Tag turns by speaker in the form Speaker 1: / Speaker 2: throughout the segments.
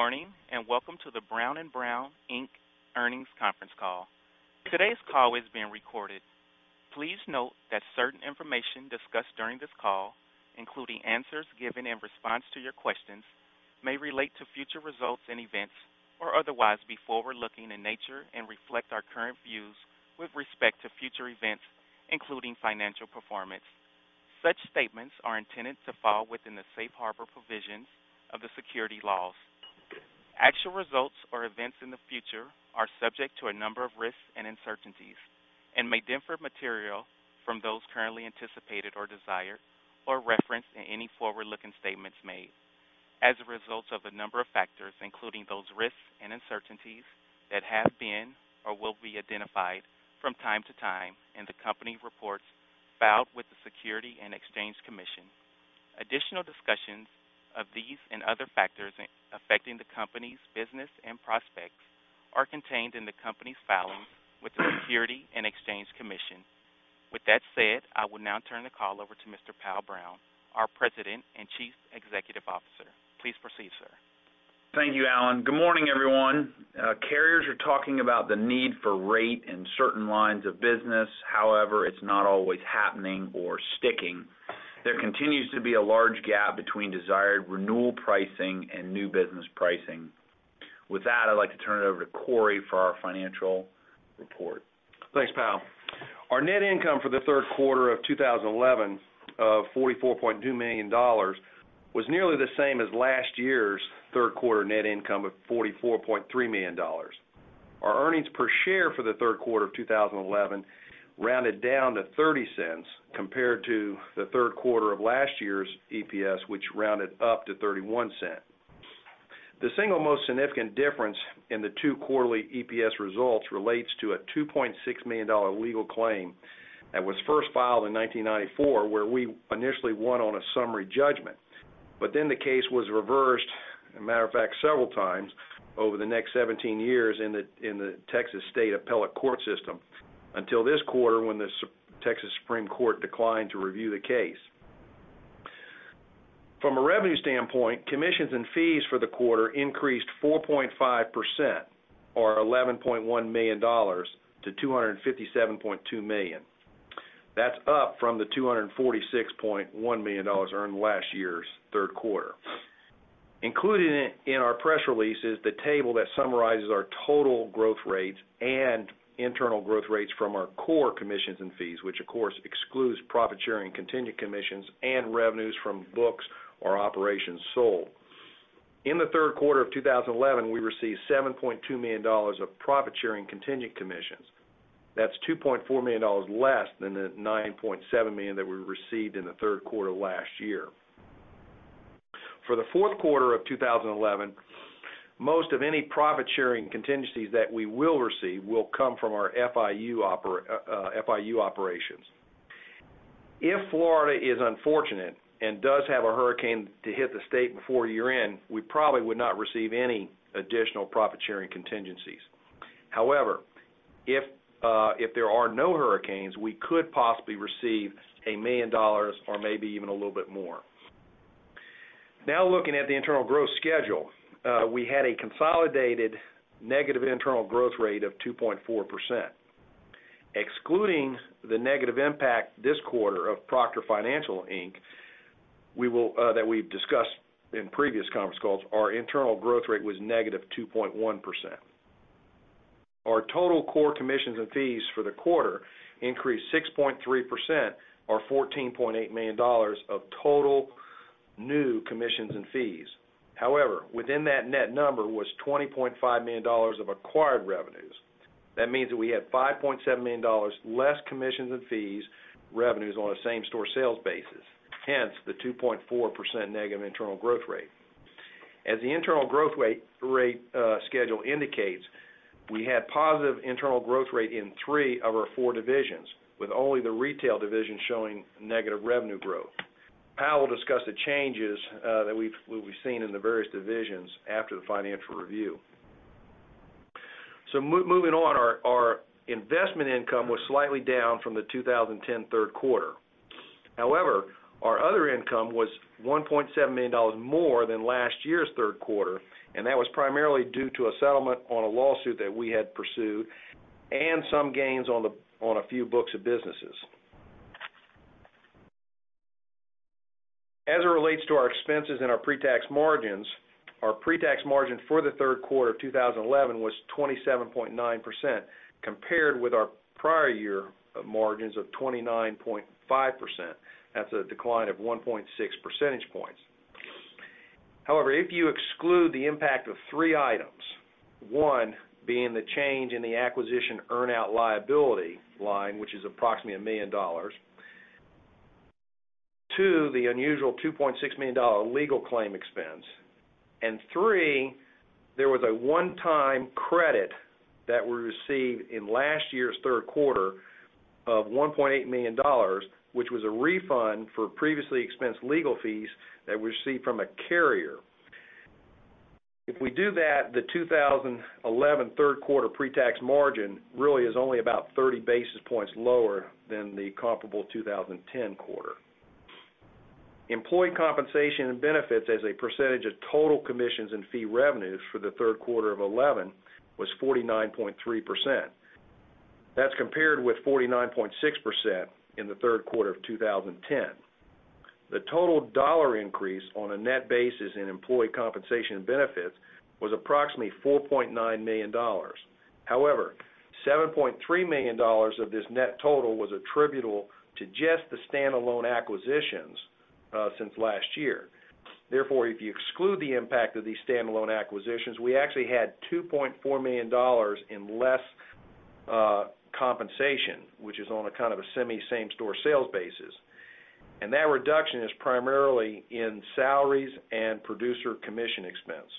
Speaker 1: Good morning, welcome to the Brown & Brown, Inc. earnings conference call. Today's call is being recorded. Please note that certain information discussed during this call, including answers given in response to your questions, may relate to future results and events or otherwise be forward-looking in nature and reflect our current views with respect to future events, including financial performance. Such statements are intended to fall within the safe harbor provisions of the securities laws. Actual results or events in the future are subject to a number of risks and uncertainties and may differ materially from those currently anticipated or desired or referenced in any forward-looking statements made as a result of a number of factors, including those risks and uncertainties that have been or will be identified from time to time in the company reports filed with the Securities and Exchange Commission. Additional discussions of these and other factors affecting the company's business and prospects are contained in the company's filings with the Securities and Exchange Commission. That said, I will now turn the call over to Mr. Powell Brown, our President and Chief Executive Officer. Please proceed, sir.
Speaker 2: Thank you, Alan. Good morning, everyone. Carriers are talking about the need for rate in certain lines of business. However, it's not always happening or sticking. There continues to be a large gap between desired renewal pricing and new business pricing. That, I'd like to turn it over to Cory for our financial report.
Speaker 3: Thanks, Powell. Our net income for the third quarter of 2011 of $44.2 million was nearly the same as last year's third quarter net income of $44.3 million. Our earnings per share for the third quarter of 2011 rounded down to $0.30 compared to the third quarter of last year's EPS, which rounded up to $0.31. The single most significant difference in the two quarterly EPS results relates to a $2.6 million legal claim that was first filed in 1994, where we initially won on a summary judgment. Then the case was reversed, matter of fact, several times over the next 17 years in the Texas State appellate court system, until this quarter when the Supreme Court of Texas declined to review the case. From a revenue standpoint, commissions and fees for the quarter increased 4.5% or $11.1 million to $257.2 million. That's up from the $246.1 million earned last year's third quarter. Included in our press release is the table that summarizes our total growth rates and internal growth rates from our core commissions and fees, which of course excludes profit sharing, contingent commissions, and revenues from books or operations sold. In the third quarter of 2011, we received $7.2 million of profit sharing contingent commissions. That's $2.4 million less than the $9.7 million that we received in the third quarter last year. For the fourth quarter of 2011, most of any profit sharing contingencies that we will receive will come from our FIU operations. If Florida is unfortunate and does have a hurricane to hit the state before year-end, we probably would not receive any additional profit-sharing contingencies. However, if there are no hurricanes, we could possibly receive $1 million or maybe even a little bit more. Looking at the internal growth schedule. We had a consolidated negative internal growth rate of 2.4%. Excluding the negative impact this quarter of Proctor Financial, Inc. that we've discussed in previous conference calls, our internal growth rate was -2.1%. Our total core commissions and fees for the quarter increased 6.3% or $14.8 million of total new commissions and fees. However, within that net number was $20.5 million of acquired revenues. That means that we had $5.7 million less commissions and fees revenues on a same-store sales basis. Hence, the 2.4% negative internal growth rate. As the internal growth rate schedule indicates, we had positive internal growth rate in three of our four divisions, with only the retail division showing negative revenue growth. Powell will discuss the changes that we've seen in the various divisions after the financial review. Moving on, our investment income was slightly down from the 2010 third quarter. However, our other income was $1.7 million more than last year's third quarter, and that was primarily due to a settlement on a lawsuit that we had pursued and some gains on a few books of businesses. As it relates to our expenses and our pre-tax margins, our pre-tax margin for the third quarter of 2011 was 27.9%, compared with our prior year margins of 29.5%. That's a decline of 1.6 percentage points. However, if you exclude the impact of three items, one being the change in the acquisition earn-out liability line, which is approximately $1 million. Two, the unusual $2.6 million legal claim expense. Three, there was a one-time credit that we received in last year's third quarter of $1.8 million, which was a refund for previously expensed legal fees that we received from a carrier. If we do that, the 2011 third-quarter pre-tax margin really is only about 30 basis points lower than the comparable 2010 quarter. Employee compensation and benefits as a percentage of total commissions and fee revenues for the third quarter of 2011 was 49.3%. That's compared with 49.6% in the third quarter of 2010. The total dollar increase on a net basis in employee compensation benefits was approximately $4.9 million. However, $7.3 million of this net total was attributable to just the standalone acquisitions since last year. Therefore, if you exclude the impact of these standalone acquisitions, we actually had $2.4 million in less compensation, which is on a kind of a semi same-store sales basis. That reduction is primarily in salaries and producer commission expense.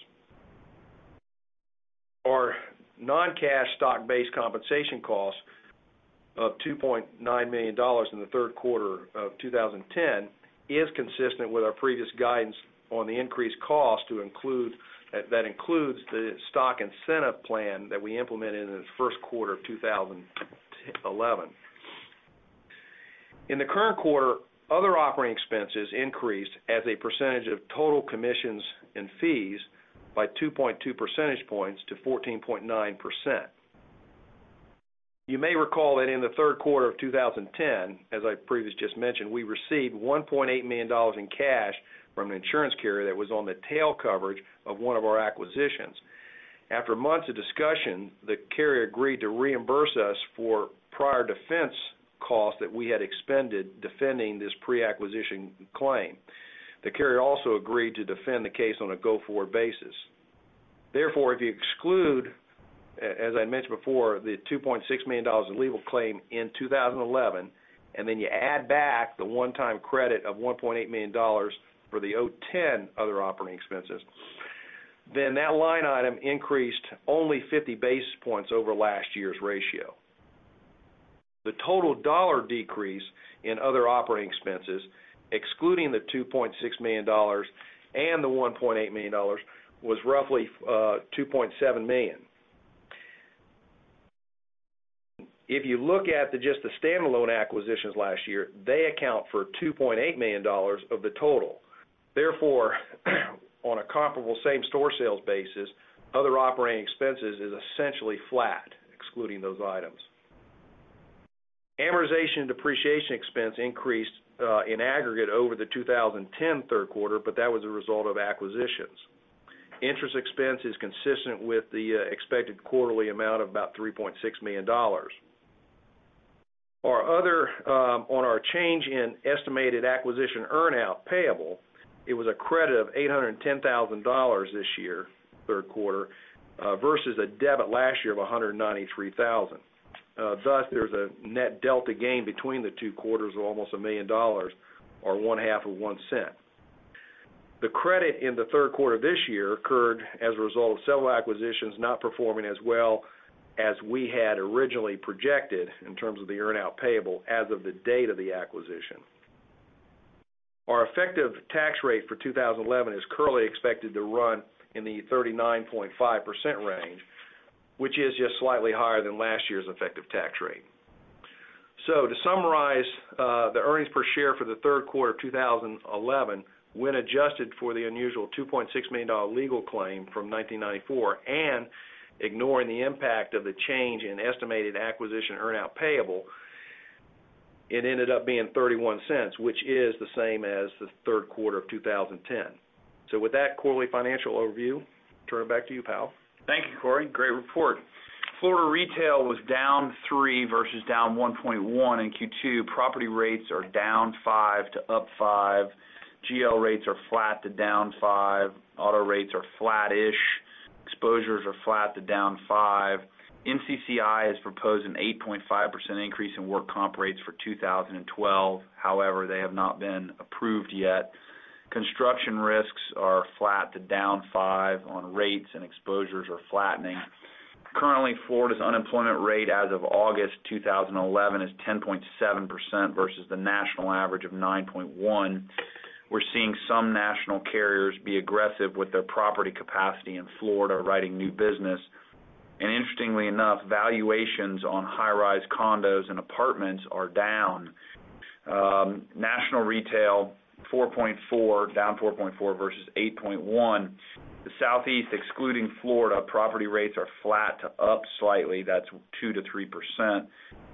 Speaker 3: Our non-cash stock-based compensation cost of $2.9 million in the third quarter of 2010 is consistent with our previous guidance on the increased cost that includes the stock incentive plan that we implemented in the first quarter of 2011. In the current quarter, other operating expenses increased as a percentage of total commissions and fees by 2.2 percentage points to 14.9%. You may recall that in the third quarter of 2010, as I previous just mentioned, we received $1.8 million in cash from an insurance carrier that was on the tail coverage of one of our acquisitions. After months of discussion, the carrier agreed to reimburse us for prior defense costs that we had expended defending this pre-acquisition claim. The carrier also agreed to defend the case on a go-forward basis. If you exclude, as I mentioned before, the $2.6 million in legal claim in 2011, and then you add back the one-time credit of $1.8 million for the 2010 other operating expenses, that line item increased only 50 basis points over last year's ratio. The total dollar decrease in other operating expenses, excluding the $2.6 million and the $1.8 million, was roughly $2.7 million. If you look at just the standalone acquisitions last year, they account for $2.8 million of the total. On a comparable same-store sales basis, other operating expenses is essentially flat, excluding those items. Amortization and depreciation expense increased in aggregate over the 2010 third quarter, that was a result of acquisitions. Interest expense is consistent with the expected quarterly amount of about $3.6 million. On our change in estimated acquisition earnout payable, it was a credit of $810,000 this year, third quarter, versus a debit last year of $193,000. There's a net delta gain between the two quarters of almost $1 million or one half of one cent. The credit in the third quarter of this year occurred as a result of several acquisitions not performing as well as we had originally projected in terms of the earnout payable as of the date of the acquisition. Our effective tax rate for 2011 is currently expected to run in the 39.5% range, which is just slightly higher than last year's effective tax rate. To summarize, the earnings per share for the third quarter of 2011, when adjusted for the unusual $2.6 million legal claim from 1994 and ignoring the impact of the change in estimated acquisition earnout payable, it ended up being $0.31, which is the same as the third quarter of 2010. With that quarterly financial overview, turn it back to you, Powell.
Speaker 2: Thank you, Cory. Great report. Florida retail was down 3 versus down 1.1 in Q2. Property rates are down 5 to up 5. GL rates are flat to down 5. Auto rates are flat-ish. Exposures are flat to down 5. NCCI has proposed an 8.5% increase in workers' compensation rates for 2012. However, they have not been approved yet. Construction risks are flat to down 5 on rates, and exposures are flattening. Currently, Florida's unemployment rate as of August 2011 is 10.7% versus the national average of 9.1. Interestingly enough, valuations on high-rise condos and apartments are down. National retail, 4.4, down 4.4 versus 8.1. The Southeast, excluding Florida, property rates are flat to up slightly. That's 2%-3%.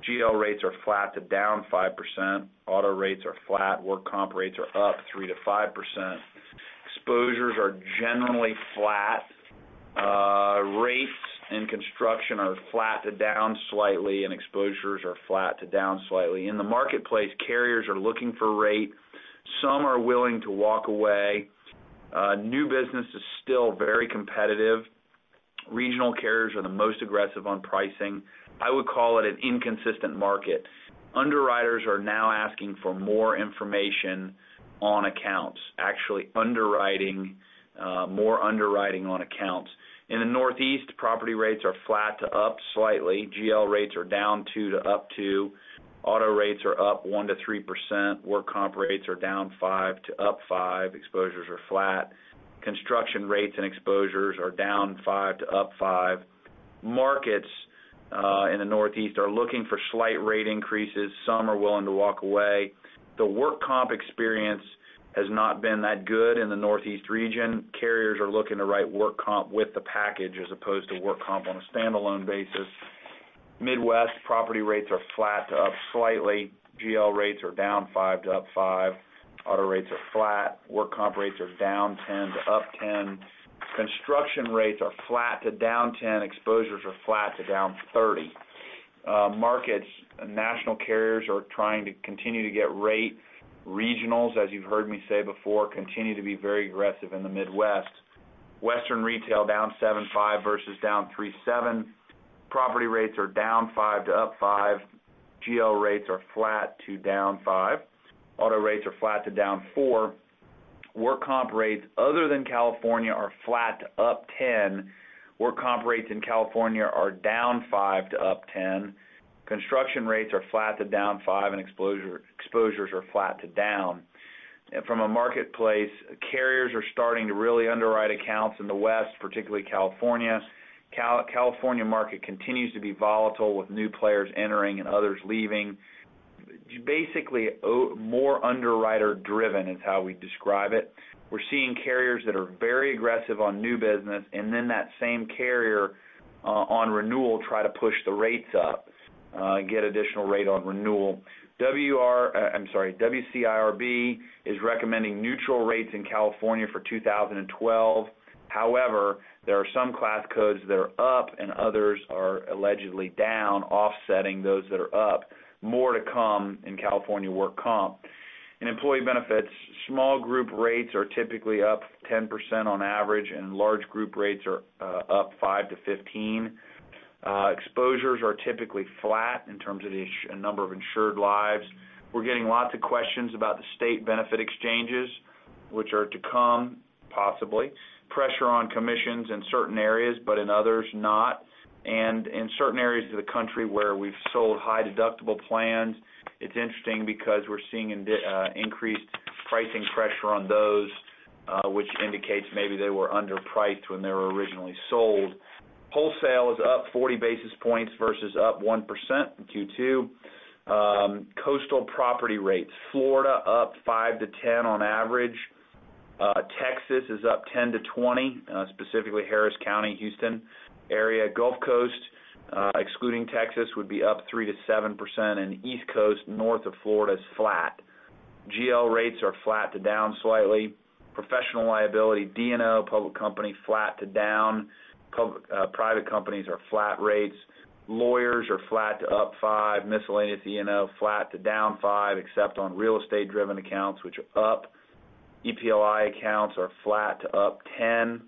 Speaker 2: GL rates are flat to down 5%. Auto rates are flat. Workers' compensation rates are up 3%-5%. Exposures are generally flat. Rates and construction are flat to down slightly, and exposures are flat to down slightly. In the marketplace, carriers are looking for rate. Some are willing to walk away. New business is still very competitive. Regional carriers are the most aggressive on pricing. I would call it an inconsistent market. Underwriters are now asking for more information on accounts, actually more underwriting on accounts. In the Northeast, property rates are flat to up slightly. GL rates are down 2 to up 2. Auto rates are up 1%-3%. Workers' compensation rates are down 5 to up 5. Exposures are flat. Construction rates and exposures are down 5 to up 5. Markets in the Northeast are looking for slight rate increases. Some are willing to walk away. The workers' compensation experience has not been that good in the Northeast region. Carriers are looking to write workers' compensation with the package as opposed to workers' compensation on a standalone basis. Midwest, property rates are flat to up slightly. GL rates are down 5 to up 5. Auto rates are flat. Workers' compensation rates are down 10 to up 10. Construction rates are flat to down 10. Exposures are flat to down 30. Markets, national carriers are trying to continue to get rate. Regionals, as you've heard me say before, continue to be very aggressive in the Midwest. Western retail down 75 versus down 37. Property rates are down 5 to up 5. GL rates are flat to down 5. Auto rates are flat to down 4. Workers' compensation rates, other than California, are flat to up 10. Workers' compensation rates in California are down 5 to up 10. Construction rates are flat to down 5, and exposures are flat to down. From a marketplace, carriers are starting to really underwrite accounts in the West, particularly California. California market continues to be volatile with new players entering and others leaving. Basically, more underwriter driven is how we describe it. We're seeing carriers that are very aggressive on new business, then that same carrier on renewal, try to push the rates up, get additional rate on renewal. WCIRB is recommending neutral rates in California for 2012. However, there are some class codes that are up and others are allegedly down, offsetting those that are up. More to come in California workers' compensation. In employee benefits, small group rates are typically up 10% on average, and large group rates are up 5-15. Exposures are typically flat in terms of the number of insured lives. We're getting lots of questions about the state benefit exchanges, which are to come, possibly. Pressure on commissions in certain areas, but in others, not. In certain areas of the country where we've sold high deductible plans, it's interesting because we're seeing increased pricing pressure on those, which indicates maybe they were underpriced when they were originally sold. Wholesale is up 40 basis points versus up 1% in Q2. Coastal property rates, Florida up 5%-10% on average. Texas is up 10%-20%, specifically Harris County, Houston area. Gulf Coast, excluding Texas, would be up 3%-7%. East Coast, north of Florida is flat. GL rates are flat to down slightly. Professional liability, D&O, public company, flat to down. Private companies are flat rates. Lawyers are flat to up 5%. Miscellaneous E&O, flat to down 5%, except on real estate driven accounts, which are up. EPLI accounts are flat to up 10%.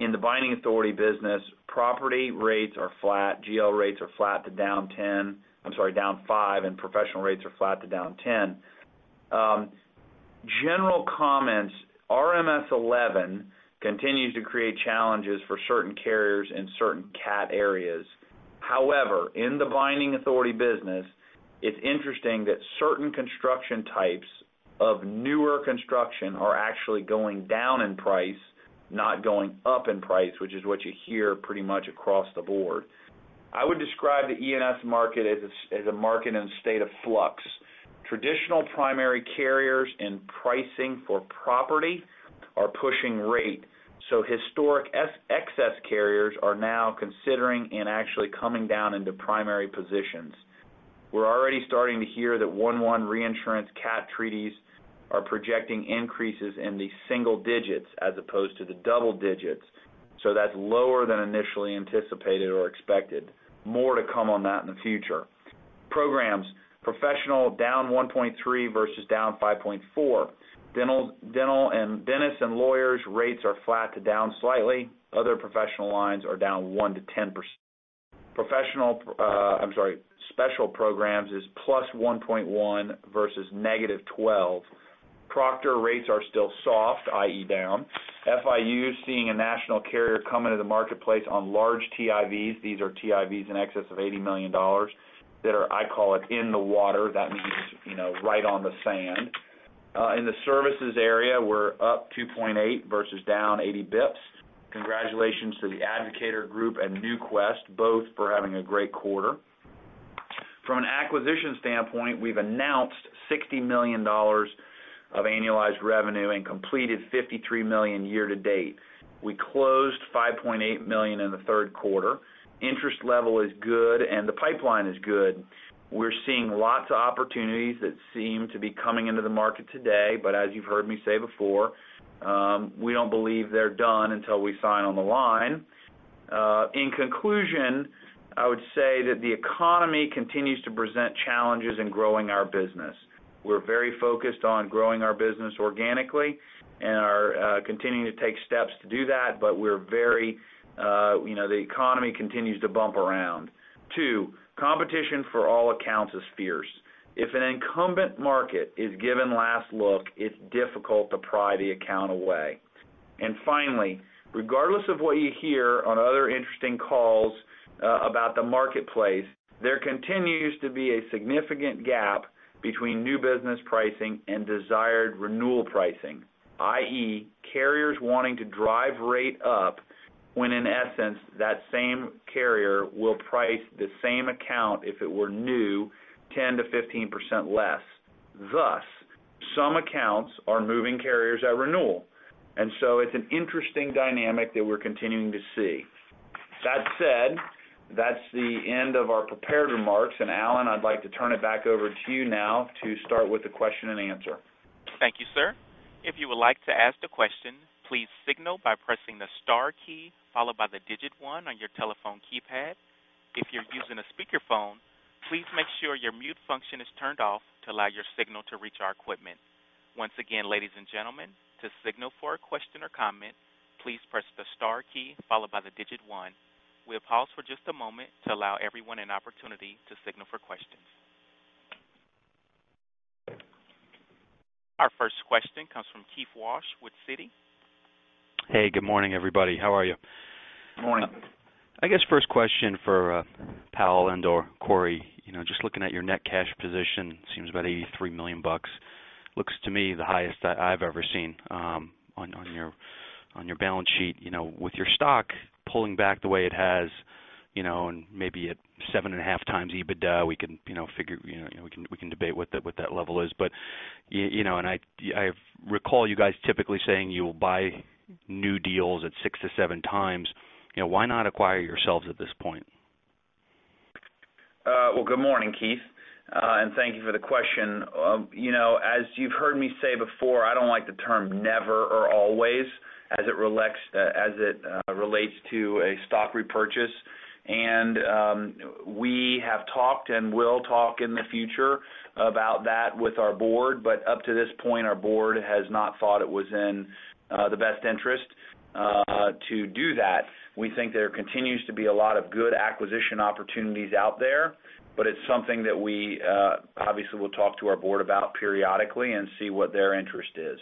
Speaker 2: In the binding authority business, property rates are flat. GL rates are flat to down 5%. Professional rates are flat to down 10%. General comments, RMS v11 continues to create challenges for certain carriers in certain cat areas. However, in the binding authority business, it's interesting that certain construction types of newer construction are actually going down in price, not going up in price, which is what you hear pretty much across the board. I would describe the E&S market as a market in a state of flux. Traditional primary carriers in pricing for property are pushing rate. Historic excess carriers are now considering and actually coming down into primary positions. We're already starting to hear that 1/1 reinsurance catastrophe treaties are projecting increases in the single digits as opposed to the double digits. That's lower than initially anticipated or expected. More to come on that in the future. Programs, professional down 1.3% versus down 5.4%. Dentists and lawyers rates are flat to down slightly. Other professional lines are down 1%-10%. Special programs is +1.1% versus -12%. Proctor rates are still soft, i.e., down. FIU is seeing a national carrier come into the marketplace on large TIVs. These are TIVs in excess of $80 million. That are, I call it, in the water. That means right on the sand. In the services area, we're up 2.8% versus down 80 basis points. Congratulations to The Advocator Group and NuQuest both for having a great quarter. From an acquisition standpoint, we've announced $60 million of annualized revenue and completed $53 million year to date. We closed $5.8 million in the third quarter. Interest level is good and the pipeline is good. We're seeing lots of opportunities that seem to be coming into the market today. As you've heard me say before, we don't believe they're done until we sign on the line. In conclusion, I would say that the economy continues to present challenges in growing our business. We're very focused on growing our business organically and are continuing to take steps to do that. The economy continues to bump around. 2, competition for all accounts is fierce. If an incumbent market is given last look, it's difficult to pry the account away. Finally, regardless of what you hear on other interesting calls about the marketplace, there continues to be a significant gap between new business pricing and desired renewal pricing, i.e., carriers wanting to drive rate up. When in essence, that same carrier will price the same account if it were new, 10%-15% less. Thus, some accounts are moving carriers at renewal. It's an interesting dynamic that we're continuing to see. That said, that's the end of our prepared remarks. Alan, I'd like to turn it back over to you now to start with the question and answer.
Speaker 1: Thank you, sir. If you would like to ask the question, please signal by pressing the star key, followed by the digit one on your telephone keypad. If you're using a speakerphone, please make sure your mute function is turned off to allow your signal to reach our equipment. Once again, ladies and gentlemen, to signal for a question or comment, please press the star key followed by the digit one. We'll pause for just a moment to allow everyone an opportunity to signal for questions. Our first question comes from Keith Walsh with Citi.
Speaker 4: Hey, good morning, everybody. How are you?
Speaker 2: Good morning.
Speaker 4: I guess first question for Powell and/or Cory. Just looking at your net cash position, seems about $83 million. Looks to me the highest that I've ever seen on your balance sheet. With your stock pulling back the way it has, and maybe at 7.5 times EBITDA, we can debate what that level is. I recall you guys typically saying you will buy new deals at 6 to 7 times. Why not acquire yourselves at this point?
Speaker 2: Well, good morning, Keith, and thank you for the question. As you've heard me say before, I don't like the term never or always as it relates to a stock repurchase. We have talked and will talk in the future about that with our board. Up to this point, our board has not thought it was in the best interest to do that. We think there continues to be a lot of good acquisition opportunities out there, it's something that we obviously will talk to our board about periodically and see what their interest is.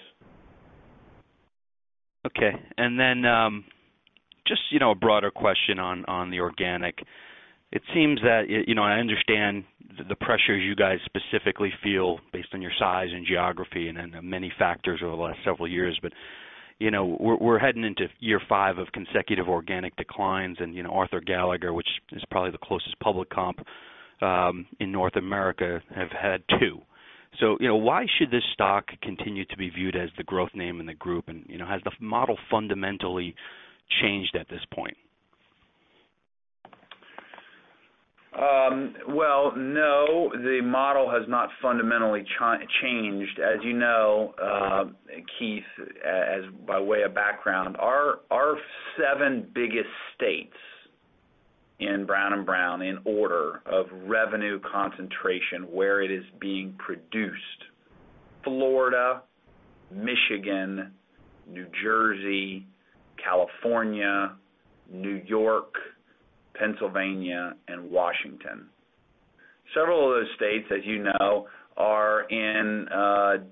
Speaker 4: Okay. Just a broader question on the organic. I understand the pressure you guys specifically feel based on your size and geography and the many factors over the last several years, we're heading into year 5 of consecutive organic declines. Arthur Gallagher, which is probably the closest public comp in North America, have had 2. Why should this stock continue to be viewed as the growth name in the group? Has the model fundamentally changed at this point?
Speaker 2: Well, no, the model has not fundamentally changed. As you know, Keith, by way of background, our 7 biggest states in Brown & Brown, in order of revenue concentration, where it is being produced, Florida, Michigan, New Jersey, California, New York, Pennsylvania, and Washington. Several of those states, as you know, are in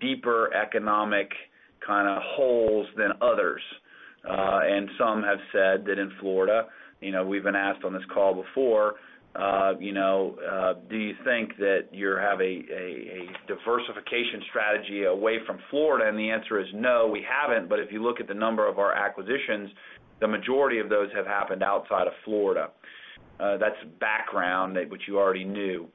Speaker 2: deeper economic kind of holes than others. Some have said that in Florida, we've been asked on this call before, do you think that you have a diversification strategy away from Florida? The answer is no, we haven't. If you look at the number of our acquisitions, the majority of those have happened outside of Florida. That's background, you already knew.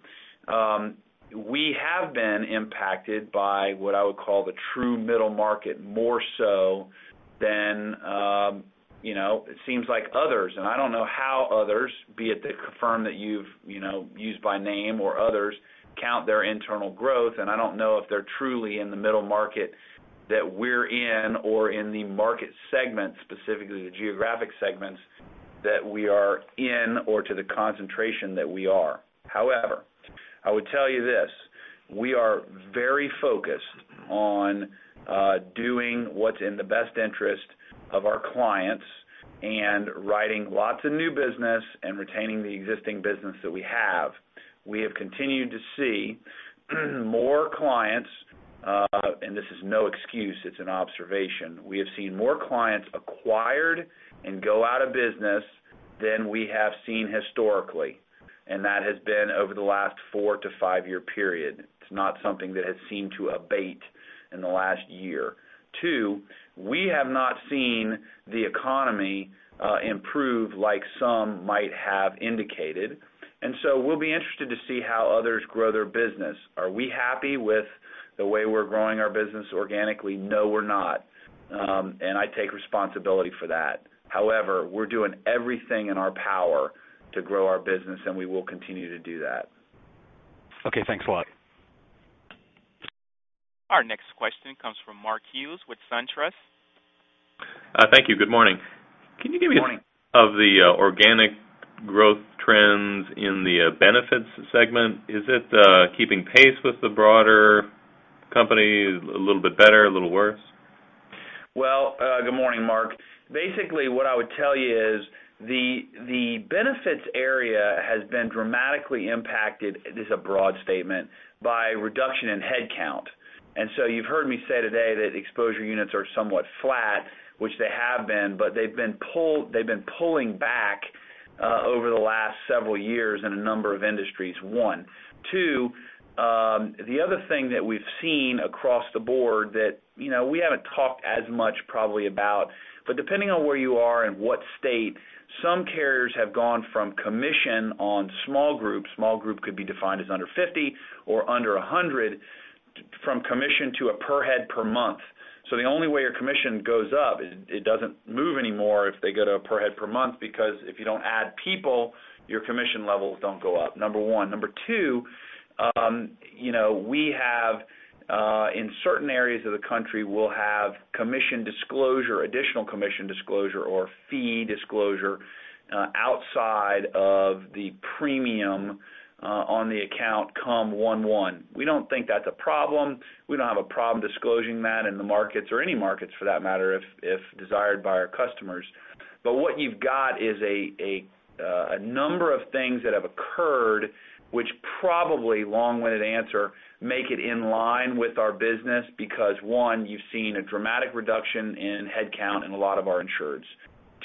Speaker 2: We have been impacted by what I would call the true middle market more so than it seems like others. I don't know how others, be it the firm that you've used by name or others, count their internal growth. I don't know if they're truly in the middle market that we're in or in the market segment, specifically the geographic segments that we are in or to the concentration that we are. I would tell you this, we are very focused on doing what's in the best interest of our clients and writing lots of new business and retaining the existing business that we have. We have continued to see more clients, and this is no excuse, it's an observation. We have seen more clients acquired and go out of business than we have seen historically, and that has been over the last 4-5-year period. It's not something that has seemed to abate in the last year. Two, we have not seen the economy improve like some might have indicated, we'll be interested to see how others grow their business. Are we happy with the way we're growing our business organically? No, we're not. I take responsibility for that. We're doing everything in our power to grow our business, we will continue to do that.
Speaker 4: Okay, thanks a lot.
Speaker 1: Our next question comes from Mark Hughes with SunTrust.
Speaker 5: Thank you. Good morning.
Speaker 2: Good morning.
Speaker 5: Can you give me of the organic growth trends in the benefits segment? Is it keeping pace with the broader company? A little bit better? A little worse?
Speaker 2: Well, good morning, Mark. Basically, what I would tell you is the benefits area has been dramatically impacted, it is a broad statement, by reduction in headcount. You've heard me say today that exposure units are somewhat flat, which they have been, but they've been pulling back over the last several years in a number of industries, one. Two, the other thing that we've seen across the board that we haven't talked as much probably about, but depending on where you are and what state, some carriers have gone from commission on small groups, small group could be defined as under 50 or under 100, from commission to a per head per month. The only way your commission goes up is it doesn't move anymore if they go to a per head per month, because if you don't add people, your commission levels don't go up, number one. Number two, in certain areas of the country, we'll have additional commission disclosure or fee disclosure, outside of the premium on the account come 1/1. We don't think that's a problem. We don't have a problem disclosing that in the markets or any markets for that matter, if desired by our customers. What you've got is a number of things that have occurred which probably, long-winded answer, make it in line with our business because one, you've seen a dramatic reduction in headcount in a lot of our insureds.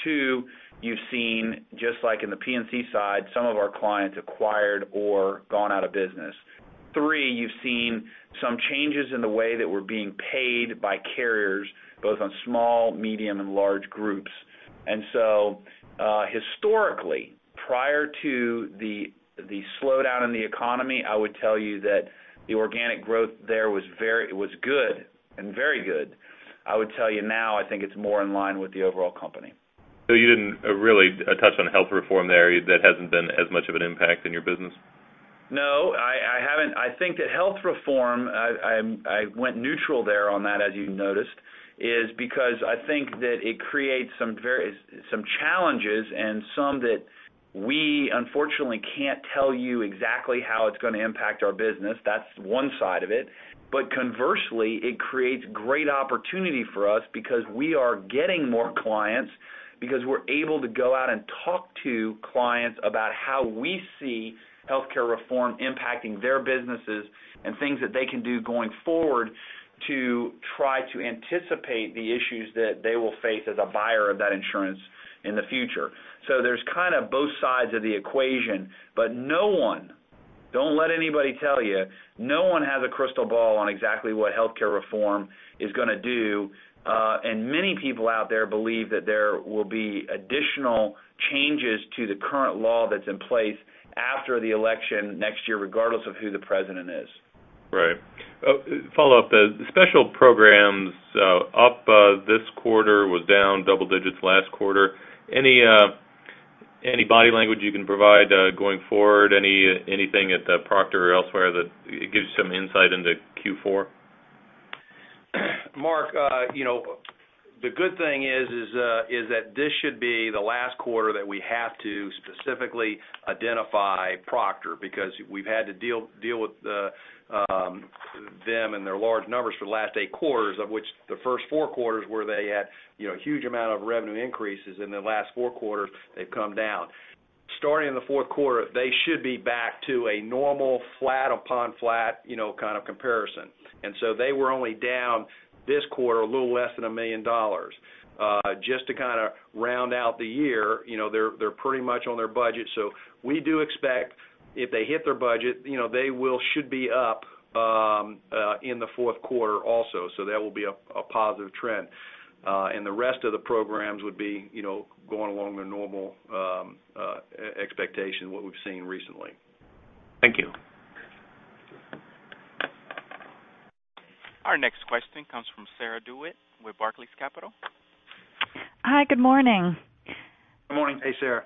Speaker 2: Two, you've seen, just like in the P&C side, some of our clients acquired or gone out of business. Three, you've seen some changes in the way that we're being paid by carriers, both on small, medium, and large groups. Historically, prior to the slowdown in the economy, I would tell you that the organic growth there was good and very good. I would tell you now, I think it's more in line with the overall company.
Speaker 5: You didn't really touch on health reform there. That hasn't been as much of an impact in your business?
Speaker 2: No, I haven't. I think that health reform, I went neutral there on that, as you noticed, is because I think that it creates some challenges and some that we unfortunately can't tell you exactly how it's going to impact our business. That's one side of it. Conversely, it creates great opportunity for us because we are getting more clients because we're able to go out and talk to clients about how we see healthcare reform impacting their businesses and things that they can do going forward to try to anticipate the issues that they will face as a buyer of that insurance in the future. There's kind of both sides of the equation, no one, don't let anybody tell you, no one has a crystal ball on exactly what healthcare reform is going to do. Many people out there believe that there will be additional changes to the current law that's in place after the election next year, regardless of who the president is.
Speaker 5: Right. Follow up. The special programs up this quarter was down double digits last quarter. Any body language you can provide going forward? Anything at Proctor or elsewhere that gives some insight into Q4?
Speaker 3: Mark, the good thing is that this should be the last quarter that we have to specifically identify Proctor because we've had to deal with them and their large numbers for the last 8 quarters, of which the first 4 quarters where they had a huge amount of revenue increases. In the last 4 quarters, they've come down. Starting in the fourth quarter, they should be back to a normal flat upon flat kind of comparison. They were only down this quarter a little less than $1 million. Just to kind of round out the year, they're pretty much on their budget. We do expect if they hit their budget, they should be up in the fourth quarter also. That will be a positive trend. The rest of the programs would be going along their normal expectation, what we've seen recently.
Speaker 5: Thank you.
Speaker 2: Sure.
Speaker 1: Our next question comes from Sarah DeWitt with Barclays Capital.
Speaker 6: Hi, good morning.
Speaker 3: Good morning.
Speaker 2: Hey, Sarah.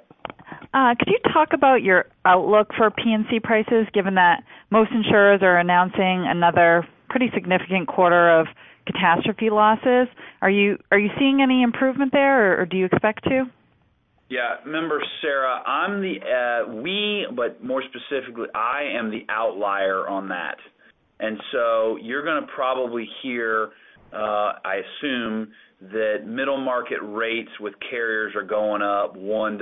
Speaker 6: Could you talk about your outlook for P&C prices, given that most insurers are announcing another pretty significant quarter of catastrophe losses? Are you seeing any improvement there or do you expect to?
Speaker 2: Yeah. Remember, Sarah, we, more specifically, I am the outlier on that. You're going to probably hear, I assume, that middle market rates with carriers are going up 1%-3%.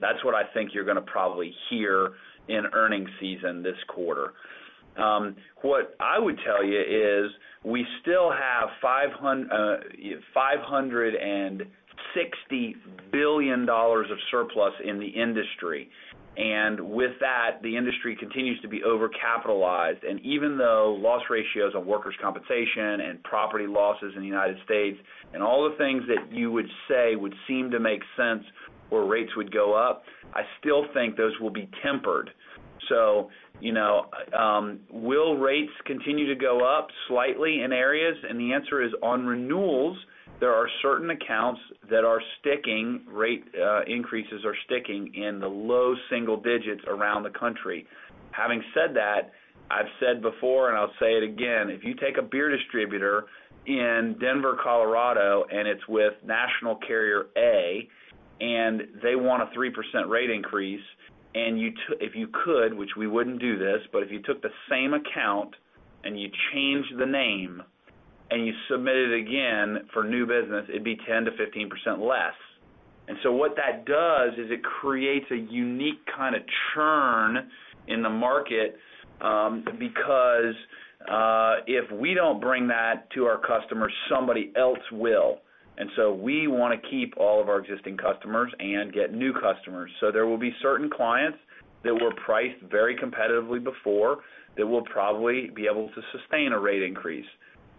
Speaker 2: That's what I think you're going to probably hear in earning season this quarter. What I would tell you is we still have $560 billion of surplus in the industry. With that, the industry continues to be over-capitalized. Even though loss ratios on workers' compensation and property losses in the United States and all the things that you would say would seem to make sense where rates would go up, I still think those will be tempered. Will rates continue to go up slightly in areas? The answer is on renewals, there are certain accounts that are sticking, rate increases are sticking in the low single digits around the country. Having said that, I've said before and I'll say it again, if you take a beer distributor in Denver, Colorado, and it's with national carrier A, and they want a 3% rate increase, and if you could, which we wouldn't do this, but if you took the same account and you changed the name and you submitted again for new business, it'd be 10%-15% less. What that does is it creates a unique kind of churn in the market because if we don't bring that to our customers, somebody else will. We want to keep all of our existing customers and get new customers. There will be certain clients that were priced very competitively before that will probably be able to sustain a rate increase.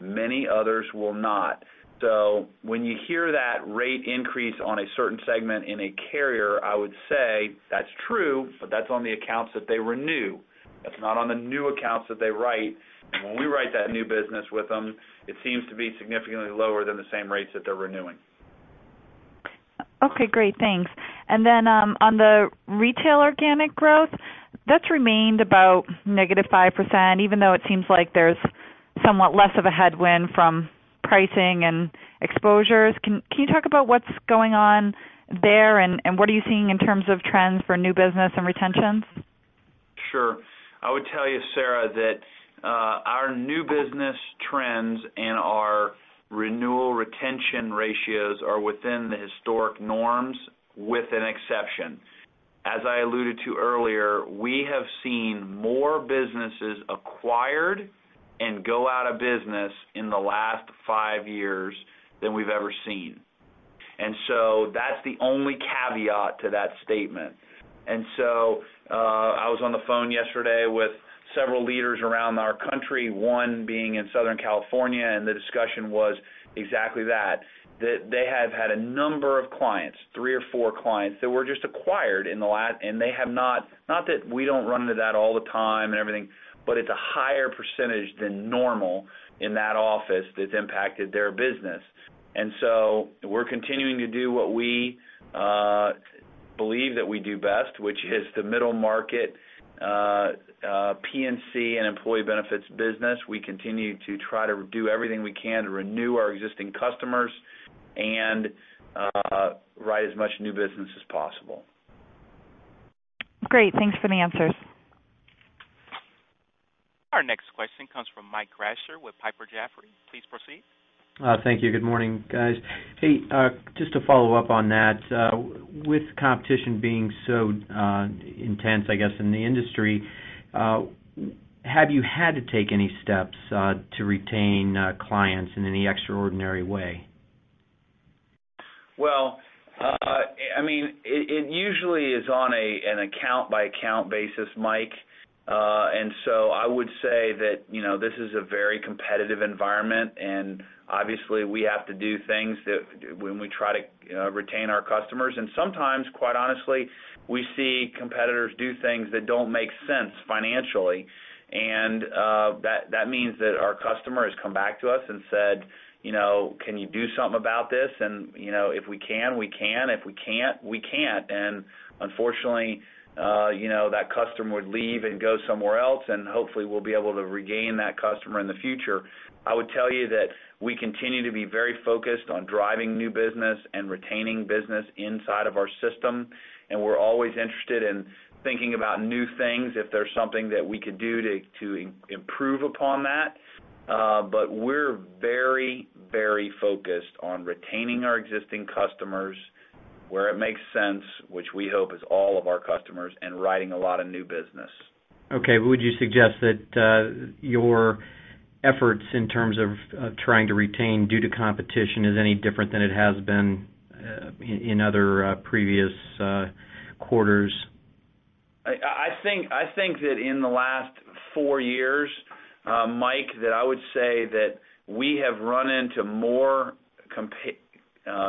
Speaker 2: Many others will not. When you hear that rate increase on a certain segment in a carrier, I would say that's true, that's on the accounts that they renew. That's not on the new accounts that they write. When we write that new business with them, it seems to be significantly lower than the same rates that they're renewing.
Speaker 6: Okay, great. Thanks. On the retail organic growth, that's remained about negative 5%, even though it seems like there's somewhat less of a headwind from pricing and exposures. Can you talk about what's going on there and what are you seeing in terms of trends for new business and retentions?
Speaker 2: Sure. I would tell you, Sarah, that our new business trends and our renewal retention ratios are within the historic norms, with an exception. As I alluded to earlier, we have seen more businesses acquired and go out of business in the last five years than we've ever seen. That's the only caveat to that statement. I was on the phone yesterday with several leaders around our country, one being in Southern California, and the discussion was exactly that. That they have had a number of clients, three or four clients, that were just acquired in the last. Not that we don't run into that all the time and everything, but it's a higher percentage than normal in that office that's impacted their business. We're continuing to do what we believe that we do best, which is the middle market, P&C and employee benefits business. We continue to try to do everything we can to renew our existing customers and write as much new business as possible.
Speaker 6: Great. Thanks for the answers.
Speaker 1: Our next question comes from Mike Zaremski with Piper Jaffray. Please proceed.
Speaker 7: Thank you. Good morning, guys. Hey, just to follow up on that, with competition being so intense, I guess, in the industry, have you had to take any steps to retain clients in any extraordinary way?
Speaker 2: Well, it usually is on an account-by-account basis, Mike. I would say that this is a very competitive environment. Obviously, we have to do things when we try to retain our customers. Sometimes, quite honestly, we see competitors do things that don't make sense financially. That means that our customers come back to us and said, "Can you do something about this?" If we can, we can. If we can't, we can't. Unfortunately, that customer would leave and go somewhere else, and hopefully, we'll be able to regain that customer in the future. I would tell you that we continue to be very focused on driving new business and retaining business inside of our system. We're always interested in thinking about new things if there's something that we could do to improve upon that. We're very focused on retaining our existing customers where it makes sense, which we hope is all of our customers, and writing a lot of new business.
Speaker 7: Okay. Would you suggest that your efforts in terms of trying to retain due to competition is any different than it has been in other previous quarters?
Speaker 2: I think that in the last four years, Mike, that I would say that we have run into more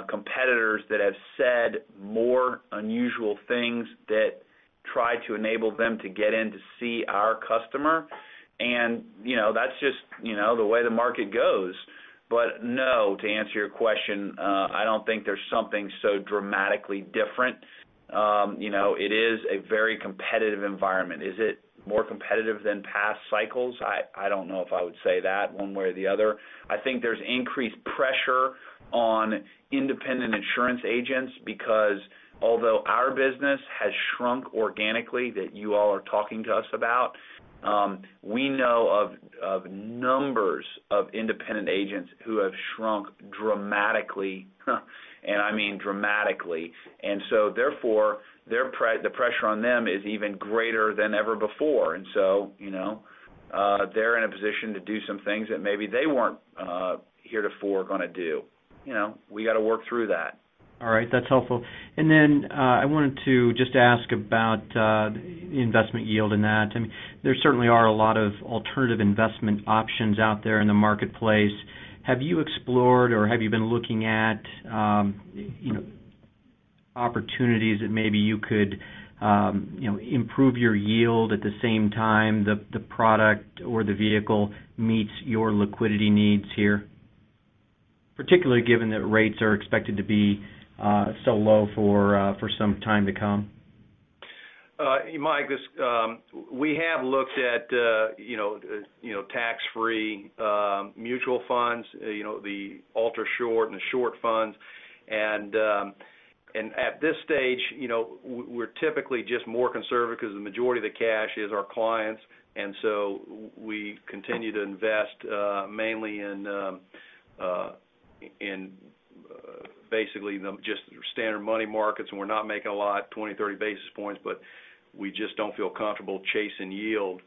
Speaker 2: competitors that have said more unusual things that try to enable them to get in to see our customer. That's just the way the market goes. No, to answer your question, I don't think there's something so dramatically different. It is a very competitive environment. Is it more competitive than past cycles? I don't know if I would say that one way or the other. I think there's increased pressure on independent insurance agents because although our business has shrunk organically, that you all are talking to us about, we know of numbers of independent agents who have shrunk dramatically. I mean dramatically. Therefore, the pressure on them is even greater than ever before. They're in a position to do some things that maybe they weren't heretofore going to do. We got to work through that.
Speaker 7: All right. That's helpful. I wanted to just ask about the investment yield in that. There certainly are a lot of alternative investment options out there in the marketplace. Have you explored or have you been looking at opportunities that maybe you could improve your yield at the same time the product or the vehicle meets your liquidity needs here? Particularly given that rates are expected to be so low for some time to come.
Speaker 3: Mike, we have looked at tax-free mutual funds, the ultra short and the short funds. At this stage, we're typically just more conservative because the majority of the cash is our clients. We continue to invest mainly in basically just standard money markets, and we're not making a lot, 20, 30 basis points, but we just don't feel comfortable chasing yield.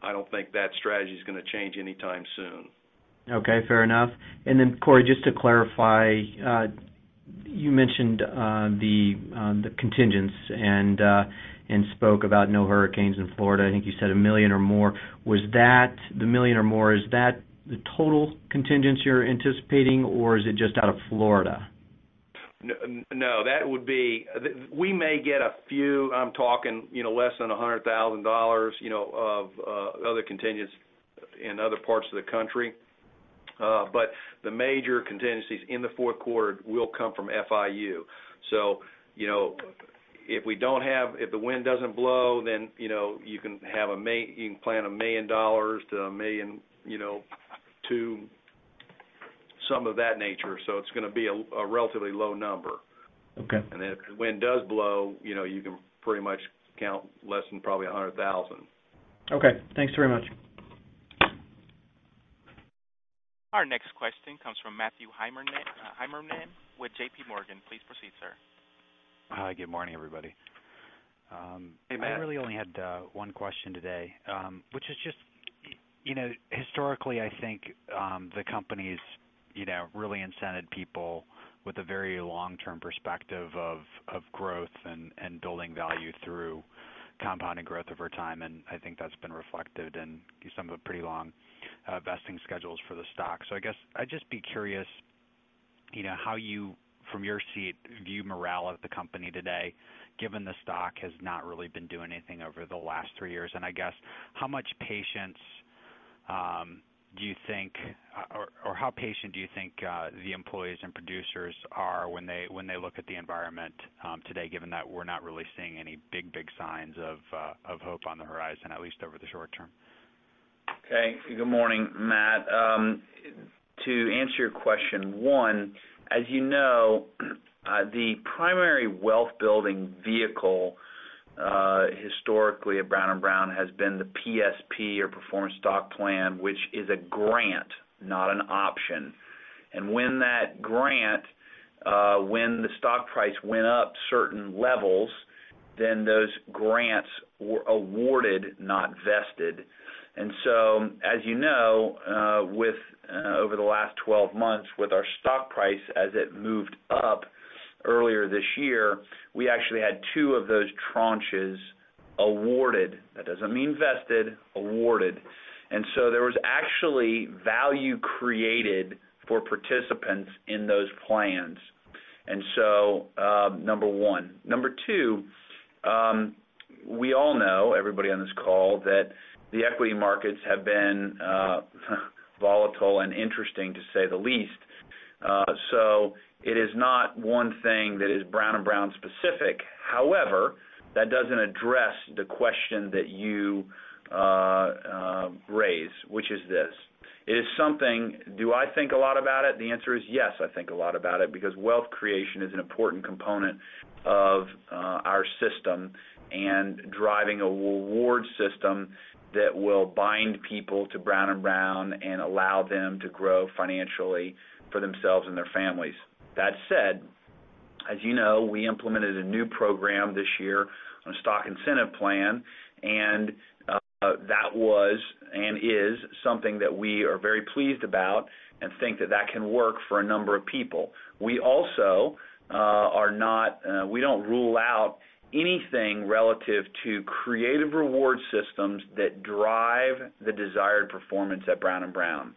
Speaker 3: I don't think that strategy's going to change anytime soon.
Speaker 7: Okay, fair enough. Cory, just to clarify, you mentioned the contingents and spoke about no hurricanes in Florida. I think you said $1 million or more. The $1 million or more, is that the total contingency you're anticipating or is it just out of Florida?
Speaker 2: No. We may get a few, I'm talking less than $100,000, of other contingents in other parts of the country. The major contingencies in the fourth quarter will come from FIU. If the wind doesn't blow, then you can plan $1 million to $1.2 million, some of that nature. It's going to be a relatively low number.
Speaker 7: Okay.
Speaker 3: If the wind does blow, you can pretty much count less than probably $100,000.
Speaker 7: Okay. Thanks very much.
Speaker 1: Our next question comes from Matthew Heimermann with J.P. Morgan. Please proceed, sir.
Speaker 8: Hi, good morning, everybody.
Speaker 2: Hey, Matt.
Speaker 8: I really only had one question today, which is just, historically I think, the company's really incentivized people with a very long-term perspective of growth and building value through compounding growth over time. I think that's been reflected in some of the pretty long vesting schedules for the stock. I guess I'd just be curious, how you, from your seat, view morale of the company today, given the stock has not really been doing anything over the last three years. I guess, how much patience do you think, or how patient do you think the employees and producers are when they look at the environment today, given that we're not really seeing any big signs of hope on the horizon, at least over the short term?
Speaker 2: Okay. Good morning, Matt. To answer your question, number 1, as you know, the primary wealth building vehicle, historically at Brown & Brown, has been the PSP, or performance stock plan, which is a grant, not an option. When the stock price went up certain levels, then those grants were awarded, not vested. As you know, over the last 12 months, with our stock price as it moved up earlier this year, we actually had two of those tranches awarded. That doesn't mean vested, awarded. There was actually value created for participants in those plans. Number 1. Number 2, we all know, everybody on this call, that the equity markets have been volatile and interesting, to say the least. It is not one thing that is Brown & Brown specific. However, that doesn't address the question that you raised, which is this: Do I think a lot about it? The answer is yes, I think a lot about it, because wealth creation is an important component of our system and driving a reward system that will bind people to Brown & Brown and allow them to grow financially for themselves and their families. That said, as you know, we implemented a new program this year on a stock incentive plan, and that was and is something that we are very pleased about and think that that can work for a number of people. We don't rule out anything relative to creative reward systems that drive the desired performance at Brown & Brown.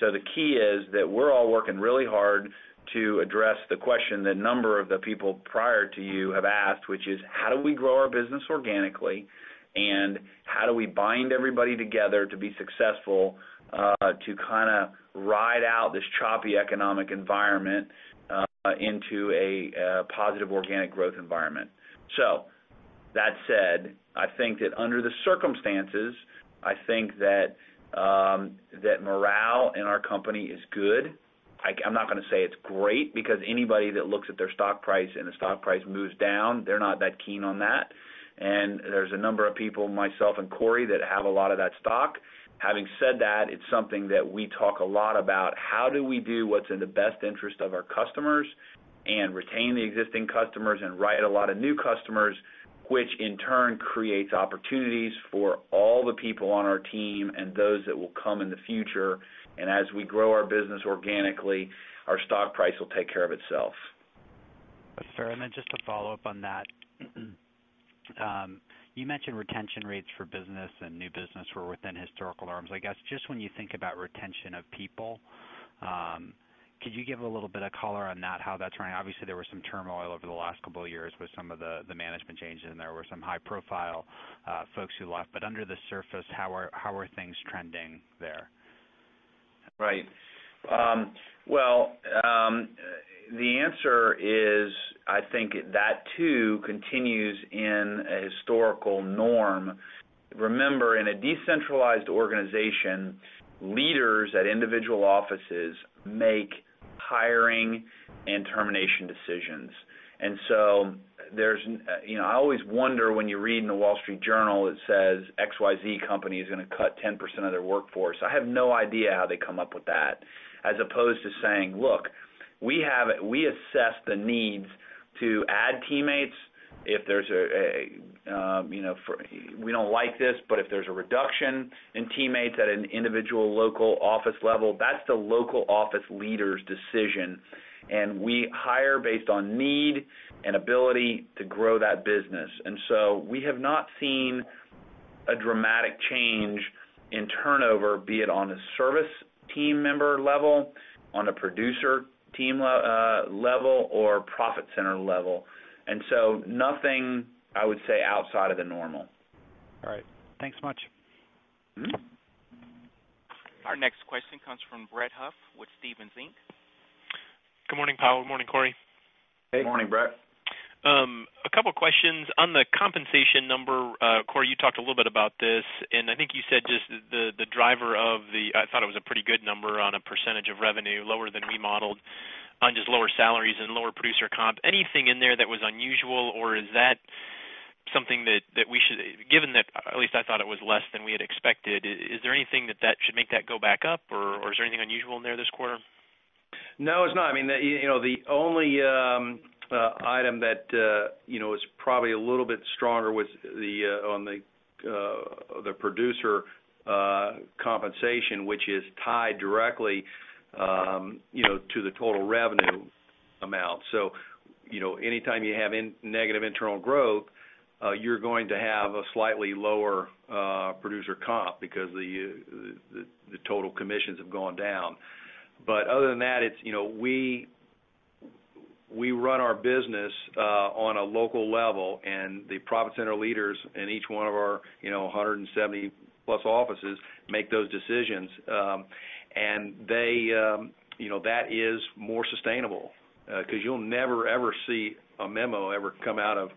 Speaker 2: The key is that we're all working really hard to address the question that a number of the people prior to you have asked, which is, how do we grow our business organically, and how do we bind everybody together to be successful, to kind of ride out this choppy economic environment into a positive organic growth environment? That said, I think that under the circumstances, I think that morale in our company is good. I'm not going to say it's great, because anybody that looks at their stock price and the stock price moves down, they're not that keen on that. There's a number of people, myself and Cory, that have a lot of that stock. Having said that, it's something that we talk a lot about, how do we do what's in the best interest of our customers and retain the existing customers and write a lot of new customers, which in turn creates opportunities for all the people on our team and those that will come in the future. As we grow our business organically, our stock price will take care of itself.
Speaker 8: Fair enough. Just to follow up on that, you mentioned retention rates for business and new business were within historical norms. I guess, just when you think about retention of people, could you give a little bit of color on that, how that's running? Obviously, there was some turmoil over the last couple of years with some of the management changes, and there were some high profile folks who left. Under the surface, how are things trending there?
Speaker 2: Right. Well, the answer is, I think that too continues in a historical norm. Remember, in a decentralized organization, leaders at individual offices make hiring and termination decisions. I always wonder when you read in The Wall Street Journal, it says, "XYZ company is going to cut 10% of their workforce." I have no idea how they come up with that, as opposed to saying, "Look, we assess the needs to add teammates." We don't like this, but if there's a reduction in teammates at an individual local office level, that's the local office leader's decision, and we hire based on need and ability to grow that business. We have not seen a dramatic change in turnover, be it on a service team member level, on a producer team level, or profit center level. Nothing, I would say, outside of the normal.
Speaker 8: All right. Thanks much.
Speaker 1: Our next question comes from Brett Huff with Stephens Inc.
Speaker 9: Good morning, Powell. Good morning, Cory.
Speaker 3: Hey.
Speaker 2: Good morning, Brett.
Speaker 9: A couple of questions. On the compensation number, Cory, you talked a little bit about this, and I think you said just the driver of the I thought it was a pretty good number on a percentage of revenue, lower than we modeled on just lower salaries and lower producer comp. Anything in there that was unusual, or is that something that we should, given that at least I thought it was less than we had expected, is there anything that should make that go back up, or is there anything unusual in there this quarter?
Speaker 3: No, it's not. I mean, the only item that is probably a little bit stronger was on the producer compensation, which is tied directly to the total revenue amount. Anytime you have negative internal growth, you're going to have a slightly lower producer comp because the total commissions have gone down. Other than that, we run our business on a local level, and the profit center leaders in each one of our 170 plus offices make those decisions. That is more sustainable because you'll never, ever see a memo ever come out of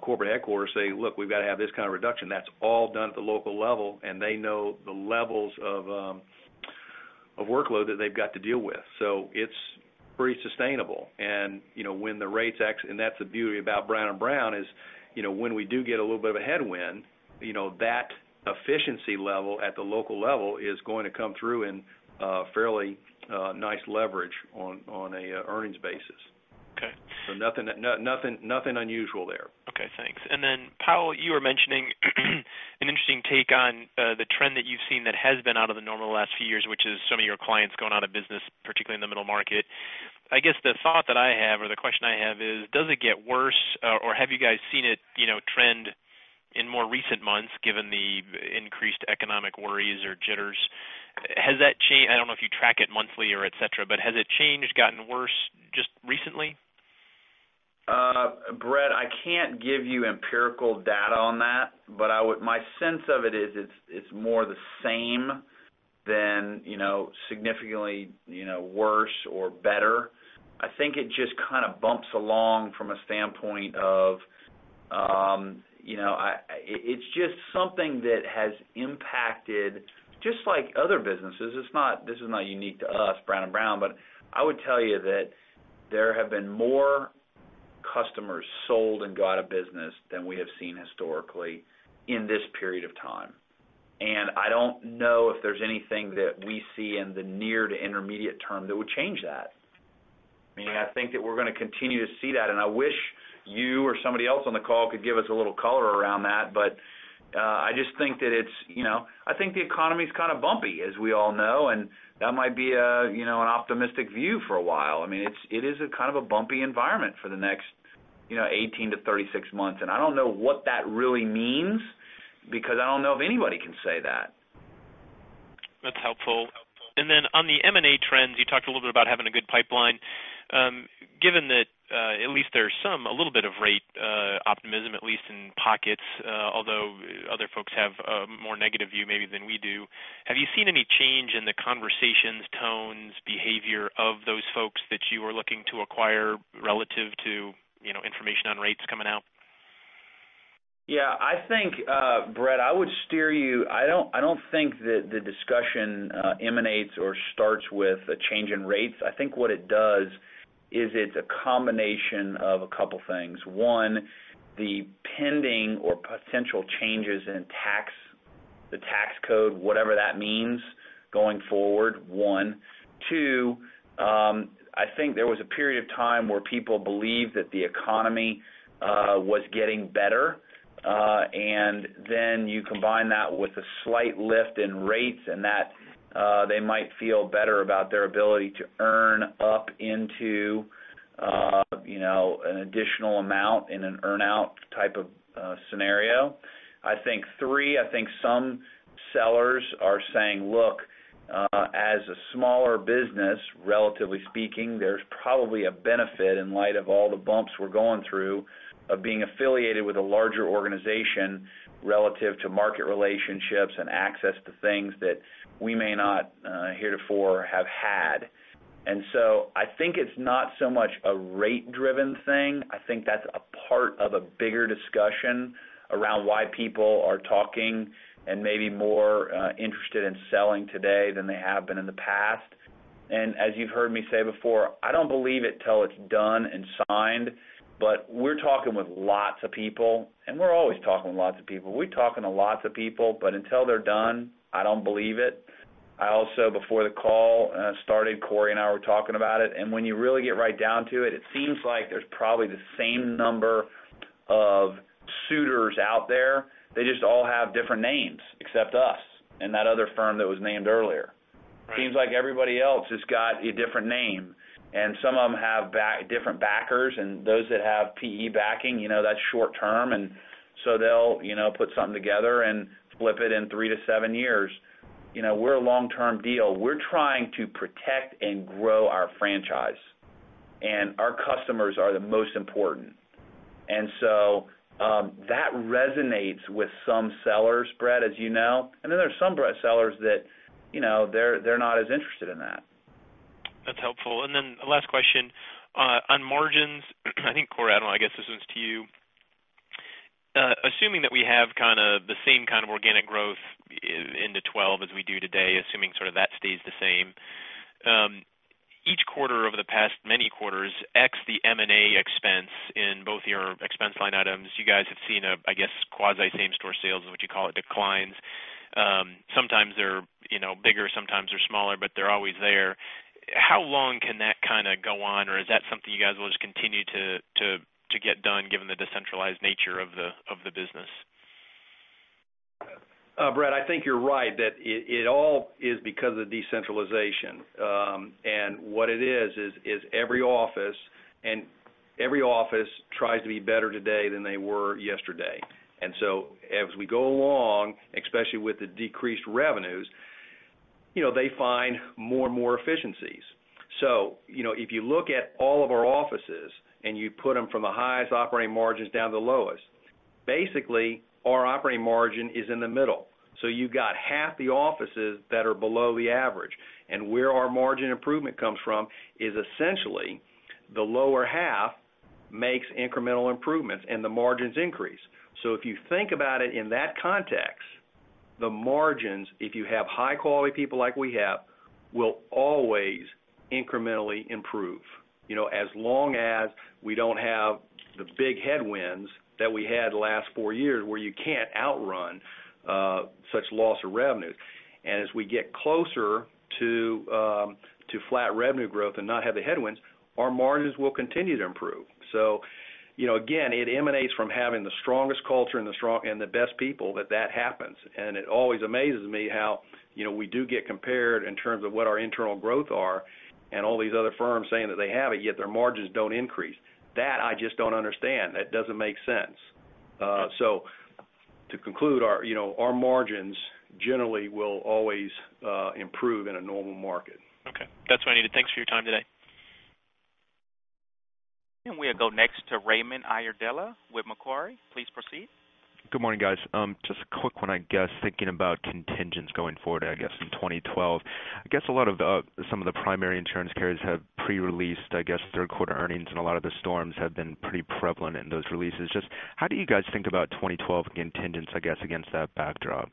Speaker 3: corporate headquarters saying, "Look, we've got to have this kind of reduction." That's all done at the local level, and they know the levels of workload that they've got to deal with. It's pretty sustainable. That's the beauty about Brown & Brown is when we do get a little bit of a headwind, that efficiency level at the local level is going to come through in fairly nice leverage on a earnings basis.
Speaker 9: Okay.
Speaker 3: Nothing unusual there.
Speaker 9: Okay, thanks. Powell, you were mentioning an interesting take on the trend that you've seen that has been out of the normal the last few years, which is some of your clients going out of business, particularly in the middle market. I guess the thought that I have or the question I have is, does it get worse or have you guys seen it trend in more recent months given the increased economic worries or jitters? I don't know if you track it monthly or et cetera, has it changed, gotten worse just recently?
Speaker 3: Brett, I can't give you empirical data on that. My sense of it is it's more the same than significantly worse or better. I think it just kind of bumps along from a standpoint of it's just something that has impacted just like other businesses. This is not unique to us, Brown & Brown, I would tell you that there have been more customers sold and go out of business than we have seen historically in this period of time. I don't know if there's anything that we see in the near to intermediate term that would change that. I mean, I think that we're going to continue to see that. I wish you or somebody else on the call could give us a little color around that. I think the economy's kind of bumpy, as we all know, and that might be an optimistic view for a while. I mean, it is a kind of a bumpy environment for the next 18 to 36 months. I don't know what that really means because I don't know if anybody can say that.
Speaker 9: That's helpful. On the M&A trends, you talked a little bit about having a good pipeline. Given that at least there's some, a little bit of rate optimism, at least in pockets although other folks have a more negative view maybe than we do, have you seen any change in the conversations, tones, behavior of those folks that you are looking to acquire relative to information on rates coming out?
Speaker 3: Yeah, I think, Brett, I would steer you I don't think that the discussion emanates or starts with a change in rates. I think what it does is it's a combination of a couple things. One, the pending or potential changes in the tax code, whatever that means, going forward, one. Two, I think there was a period of time where people believed that the economy was getting better, and then you combine that with a slight lift in rates and that they might feel better about their ability to earn up into an additional amount in an earn-out type of scenario. I think, three, I think some sellers are saying, look, as a smaller business, relatively speaking, there's probably a benefit in light of all the bumps we're going through of being affiliated with a larger organization relative to market relationships and access to things that we may not heretofore have had. I think it's not so much a rate driven thing. I think that's a part of a bigger discussion around why people are talking and maybe more interested in selling today than they have been in the past.
Speaker 2: As you've heard me say before, I don't believe it till it's done and signed, but we're talking with lots of people, and we're always talking with lots of people. We're talking to lots of people, but until they're done, I don't believe it. I also, before the call started, Cory and I were talking about it, and when you really get right down to it seems like there's probably the same number of suitors out there. They just all have different names, except us and that other firm that was named earlier.
Speaker 9: Right.
Speaker 2: Seems like everybody else has got a different name, and some of them have different backers, and those that have PE backing, that's short-term, and so they'll put something together and flip it in three to seven years. We're a long-term deal. We're trying to protect and grow our franchise, and our customers are the most important. So, that resonates with some sellers, Brett, as you know, and then there's some, Brett, sellers that they're not as interested in that.
Speaker 9: That's helpful. Last question. On margins, I think, Cory, I don't know, I guess this one's to you. Assuming that we have the same kind of organic growth into 2012 as we do today, assuming sort of that stays the same. Each quarter over the past many quarters, ex the M&A expense in both your expense line items, you guys have seen, I guess, quasi same-store sales, is what you call it, declines. Sometimes they're bigger, sometimes they're smaller, but they're always there. How long can that kind of go on, or is that something you guys will just continue to get done given the decentralized nature of the business?
Speaker 3: Brett, I think you're right that it all is because of decentralization. What it is every office tries to be better today than they were yesterday. As we go along, especially with the decreased revenues, they find more and more efficiencies. If you look at all of our offices, and you put them from the highest operating margins down to the lowest, basically our operating margin is in the middle. You've got half the offices that are below the average. Where our margin improvement comes from is essentially the lower half makes incremental improvements and the margins increase. If you think about it in that context, the margins, if you have high-quality people like we have, will always incrementally improve. As long as we don't have the big headwinds that we had the last four years where you can't outrun such loss of revenue. As we get closer to flat revenue growth and not have the headwinds, our margins will continue to improve. Again, it emanates from having the strongest culture and the best people that happens. It always amazes me how we do get compared in terms of what our internal growth are and all these other firms saying that they have it, yet their margins don't increase. That I just don't understand. That doesn't make sense. To conclude, our margins generally will always improve in a normal market.
Speaker 9: Okay. That's what I needed. Thanks for your time today.
Speaker 1: We'll go next to Raymond Iardella with Macquarie. Please proceed.
Speaker 10: Good morning, guys. Just a quick one, I guess, thinking about contingents going forward, I guess, in 2012. I guess a lot of some of the primary insurance carriers have pre-released, I guess, third quarter earnings, and a lot of the storms have been pretty prevalent in those releases. Just how do you guys think about 2012 contingents, I guess, against that backdrop?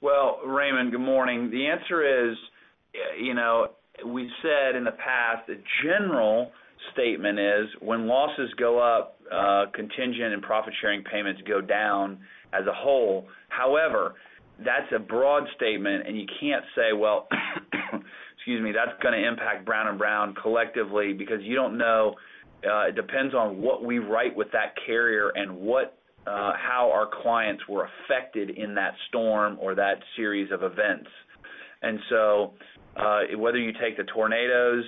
Speaker 2: Well, Raymond, good morning. The answer is, we've said in the past, the general statement is when losses go up, contingent and profit-sharing payments go down as a whole. However, that's a broad statement, and you can't say, well, excuse me, that's going to impact Brown & Brown collectively because you don't know. It depends on what we write with that carrier and how our clients were affected in that storm or that series of events. Whether you take the tornadoes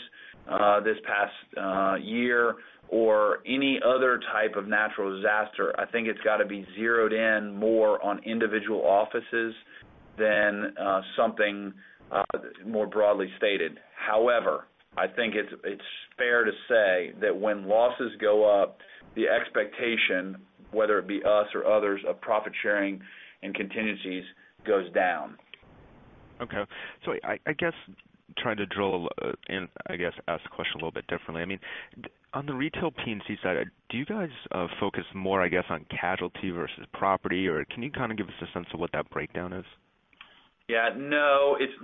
Speaker 2: this past year or any other type of natural disaster, I think it's got to be zeroed in more on individual offices than something more broadly stated. However, I think it's fair to say that when losses go up, the expectation, whether it be us or others, of profit-sharing and contingencies goes down.
Speaker 10: Okay. I guess trying to drill in, I guess, ask the question a little bit differently. On the retail P&C side, do you guys focus more, I guess, on casualty versus property, or can you kind of give us a sense of what that breakdown is?
Speaker 2: Yeah. No, it's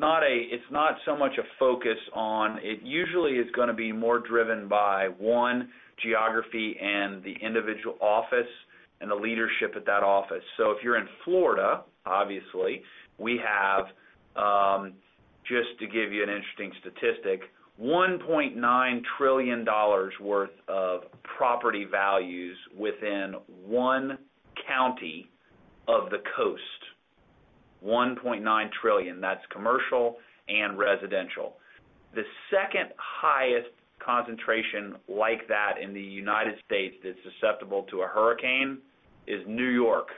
Speaker 2: not so much a focus on. It usually is going to be more driven by, one, geography and the individual office and the leadership at that office. If you're in Florida, obviously, we have, just to give you an interesting statistic, $1.9 trillion worth of property values within one county of the coast. $1.9 trillion. That's commercial and residential. The second highest concentration like that in the U.S. that's susceptible to a hurricane is New York.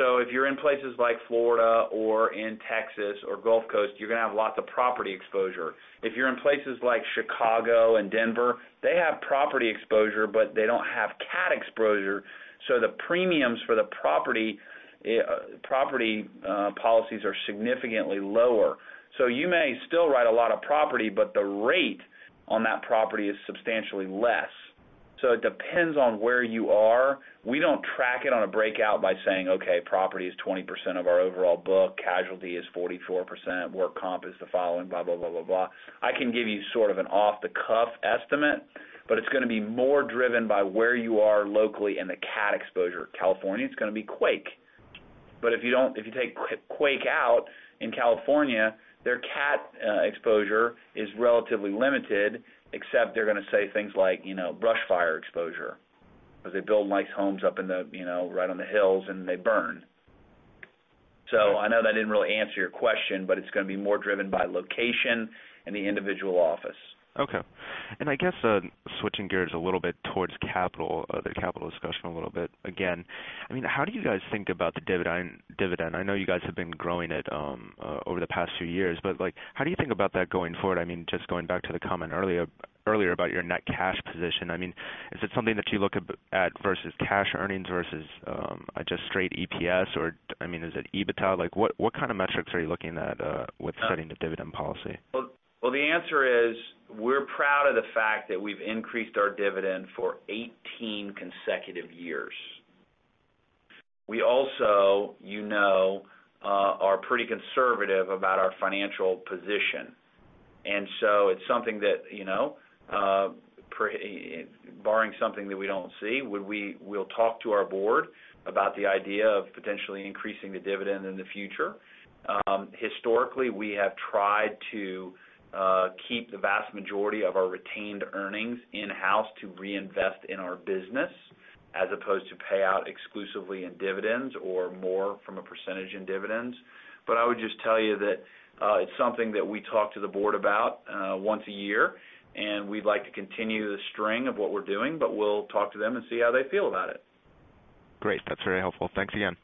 Speaker 2: If you're in places like Florida or in Texas or Gulf Coast, you're going to have lots of property exposure. If you're in places like Chicago and Denver, they have property exposure, but they don't have cat exposure, so the premiums for the property policies are significantly lower. You may still write a lot of property, but the rate on that property is substantially less. It depends on where you are. We don't track it on a breakout by saying, okay, property is 20% of our overall book, casualty is 44%, workers' compensation is the following, blah, blah, blah. I can give you sort of an off-the-cuff estimate, but it's going to be more driven by where you are locally in the cat exposure. California, it's going to be quake. If you take quake out in California, their cat exposure is relatively limited, except they're going to say things like brush fire exposure, because they build nice homes up right on the hills, and they burn. I know that didn't really answer your question, but it's going to be more driven by location and the individual office.
Speaker 10: Okay. I guess, switching gears a little bit towards capital, the capital discussion a little bit again. How do you guys think about the dividend? I know you guys have been growing it over the past few years, but how do you think about that going forward? Just going back to the comment earlier about your net cash position. Is it something that you look at versus cash earnings versus just straight EPS or is it EBITDA? What kind of metrics are you looking at with setting the dividend policy?
Speaker 2: The answer is, we're proud of the fact that we've increased our dividend for 18 consecutive years. We also are pretty conservative about our financial position. It's something that, barring something that we don't see, we'll talk to our board about the idea of potentially increasing the dividend in the future. Historically, we have tried to keep the vast majority of our retained earnings in-house to reinvest in our business, as opposed to pay out exclusively in dividends or more from a percentage in dividends. I would just tell you that it's something that we talk to the board about once a year, and we'd like to continue the string of what we're doing, but we'll talk to them and see how they feel about it.
Speaker 10: Great. That's very helpful. Thanks again.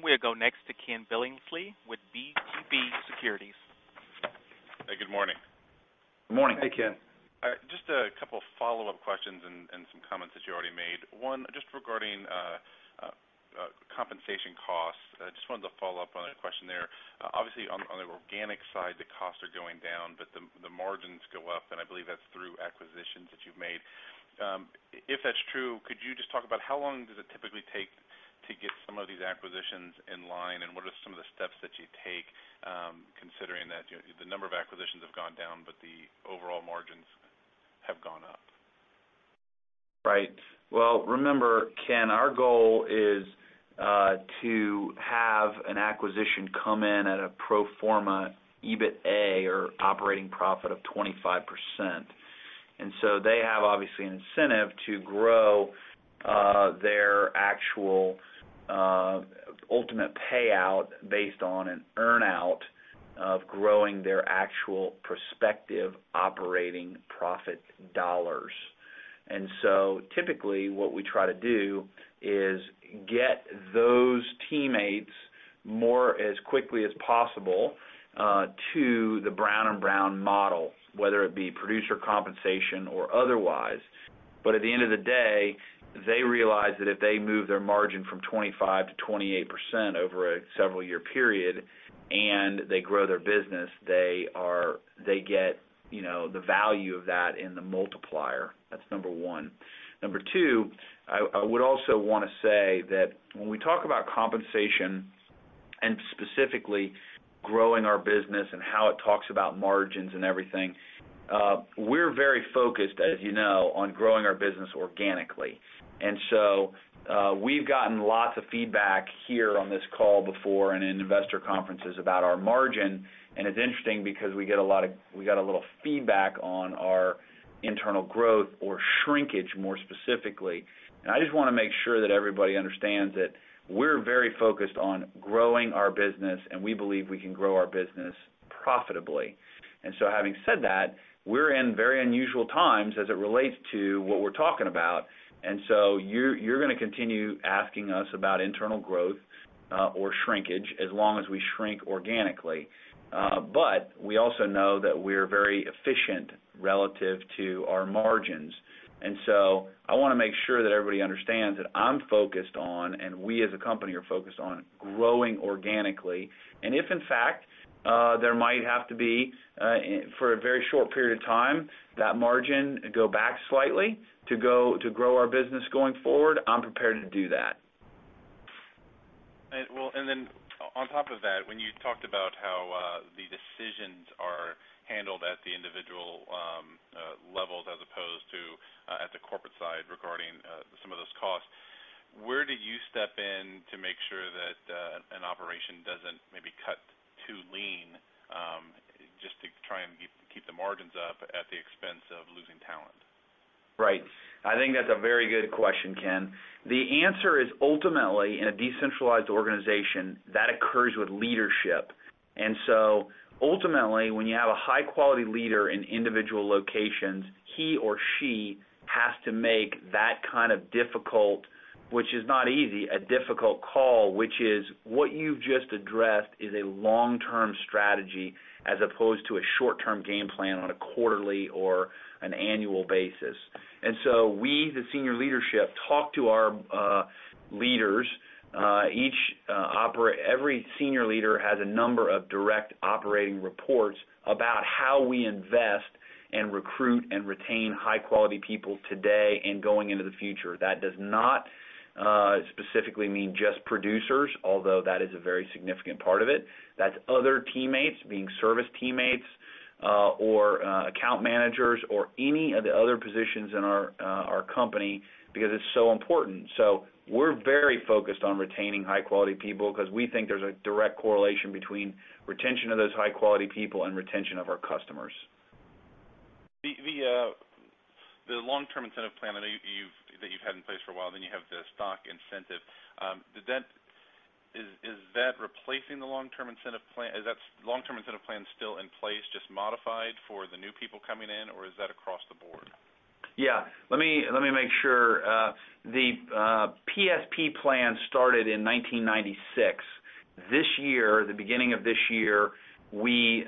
Speaker 1: We'll go next to Ken Billingsley with BGB Securities.
Speaker 11: Hey, good morning.
Speaker 3: Morning.
Speaker 10: Hey, Ken.
Speaker 11: Just a couple follow-up questions and some comments that you already made. One, just regarding compensation costs. I just wanted to follow up on a question there. Obviously, on the organic side, the costs are going down, but the margins go up, and I believe that's through acquisitions that you've made. If that's true, could you just talk about how long does it typically take to get some of these acquisitions in line, and what are some of the steps that you take considering that the number of acquisitions have gone down but the overall margins have gone up?
Speaker 2: Well, remember, Ken, our goal is to have an acquisition come in at a pro forma EBITA or operating profit of 25%. They have obviously an incentive to grow their actual ultimate payout based on an earn-out of growing their actual prospective operating profit dollars. Typically, what we try to do is get those teammates more as quickly as possible to the Brown & Brown model, whether it be producer compensation or otherwise. But at the end of the day, they realize that if they move their margin from 25%-28% over a several year period, and they grow their business, they get the value of that in the multiplier. That's number one. Number two, I would also want to say that when we talk about compensation and specifically growing our business and how it talks about margins and everything, we're very focused, as you know, on growing our business organically. We've gotten lots of feedback here on this call before and in investor conferences about our margin, and it's interesting because we got a little feedback on our internal growth or shrinkage, more specifically. I just want to make sure that everybody understands that we're very focused on growing our business, and we believe we can grow our business profitably. Having said that, we're in very unusual times as it relates to what we're talking about, so you're going to continue asking us about internal growth or shrinkage as long as we shrink organically. But we also know that we're very efficient relative to our margins. I want to make sure that everybody understands that I'm focused on, and we as a company are focused on growing organically. If in fact there might have to be for a very short period of time that margin go back slightly to grow our business going forward, I'm prepared to do that.
Speaker 11: When you talked about how the decisions are handled at the individual levels as opposed to at the corporate side regarding some of those costs, where do you step in to make sure that an operation doesn't maybe cut too lean just to try and keep the margins up at the expense of losing talent?
Speaker 2: Right. I think that's a very good question, Ken. The answer is ultimately, in a decentralized organization, that occurs with leadership. Ultimately, when you have a high quality leader in individual locations, he or she has to make that kind of difficult, which is not easy, a difficult call, which is what you've just addressed is a long-term strategy as opposed to a short-term game plan on a quarterly or an annual basis. We, the senior leadership, talk to our leaders. Every senior leader has a number of direct operating reports about how we invest and recruit and retain high quality people today and going into the future. That does not specifically mean just producers, although that is a very significant part of it. That's other teammates, being service teammates, or account managers, or any of the other positions in our company, because it's so important. We're very focused on retaining high quality people because we think there's a direct correlation between retention of those high quality people and retention of our customers.
Speaker 11: The long-term incentive plan that you've had in place for a while, you have the stock incentive. Is that replacing the long-term incentive plan? Is that long-term incentive plan still in place, just modified for the new people coming in, or is that across the board?
Speaker 2: Yeah. Let me make sure. The PSP plan started in 1996. The beginning of this year, we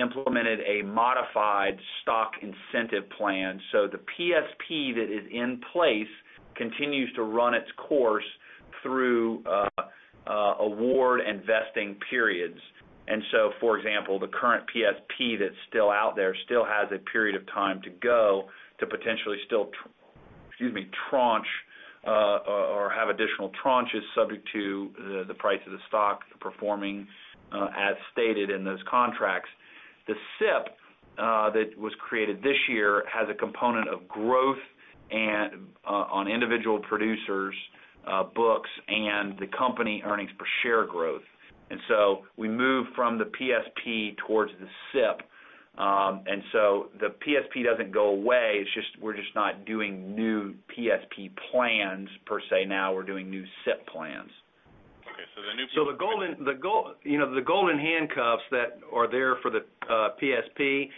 Speaker 2: implemented a modified stock incentive plan. The PSP that is in place continues to run its course through award and vesting periods. For example, the current PSP that is still out there still has a period of time to go to potentially still, excuse me, tranche or have additional tranches subject to the price of the stock performing as stated in those contracts. The SIP that was created this year has a component of growth on individual producers' books and the company earnings per share growth. We move from the PSP towards the SIP. The PSP doesn't go away, we're just not doing new PSP plans per se now, we're doing new SIP plans.
Speaker 11: Okay.
Speaker 2: The golden handcuffs that are there for the PSP,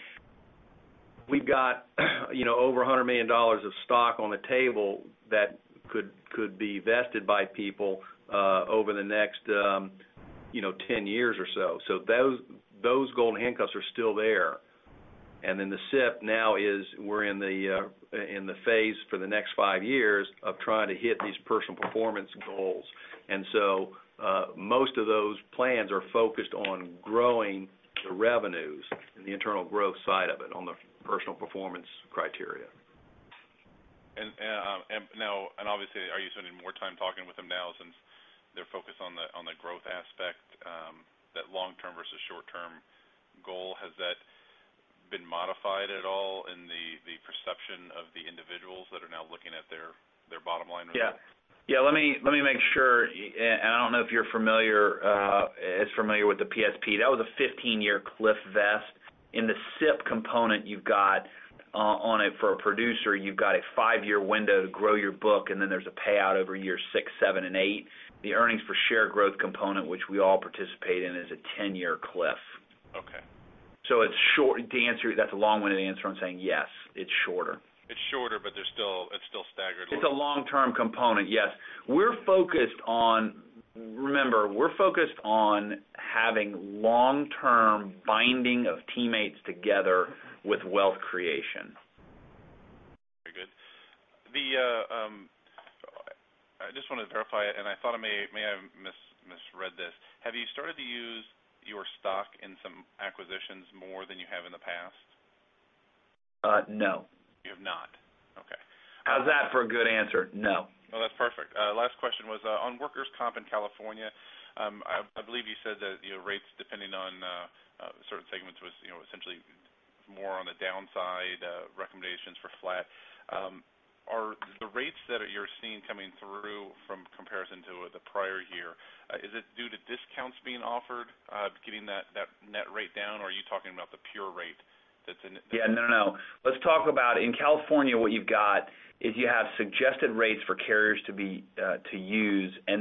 Speaker 2: we've got over $100 million of stock on the table that could be vested by people over the next 10 years or so. Those golden handcuffs are still there. The SIP now is we're in the phase for the next five years of trying to hit these personal performance goals. Most of those plans are focused on growing the revenues and the internal growth side of it on the personal performance criteria.
Speaker 11: Obviously, are you spending more time talking with them now since they're focused on the growth aspect, that long term versus short term goal? Has that been modified at all in the perception of the individuals that are now looking at their bottom line?
Speaker 2: Yeah. Let me make sure. I don't know if you're as familiar with the PSP. That was a 15 year cliff vest. In the SIP component, on it for a producer, you've got a five-year window to grow your book, and then there's a payout over year six, seven, and eight. The earnings per share growth component, which we all participate in, is a 10 year cliff.
Speaker 11: Okay.
Speaker 2: That's a long-winded answer on saying yes, it's shorter.
Speaker 11: It's shorter, but it's still staggered.
Speaker 2: It's a long-term component, yes. Remember, we're focused on having long-term binding of teammates together with wealth creation.
Speaker 11: Very good. I just wanted to verify it, and I thought I may have misread this. Have you started to use your stock in some acquisitions more than you have in the past?
Speaker 2: No.
Speaker 11: You have not. Okay.
Speaker 2: How's that for a good answer? No.
Speaker 11: No, that's perfect. Last question was on workers' comp in California. I believe you said that rates depending on certain segments was essentially more on the downside, recommendations for flat. Are the rates that you're seeing coming through from comparison to the prior year, is it due to discounts being offered, getting that net rate down, or are you talking about the pure rate that's in it?
Speaker 2: Yeah. No, no. Let's talk about in California, what you've got is you have suggested rates for carriers to use by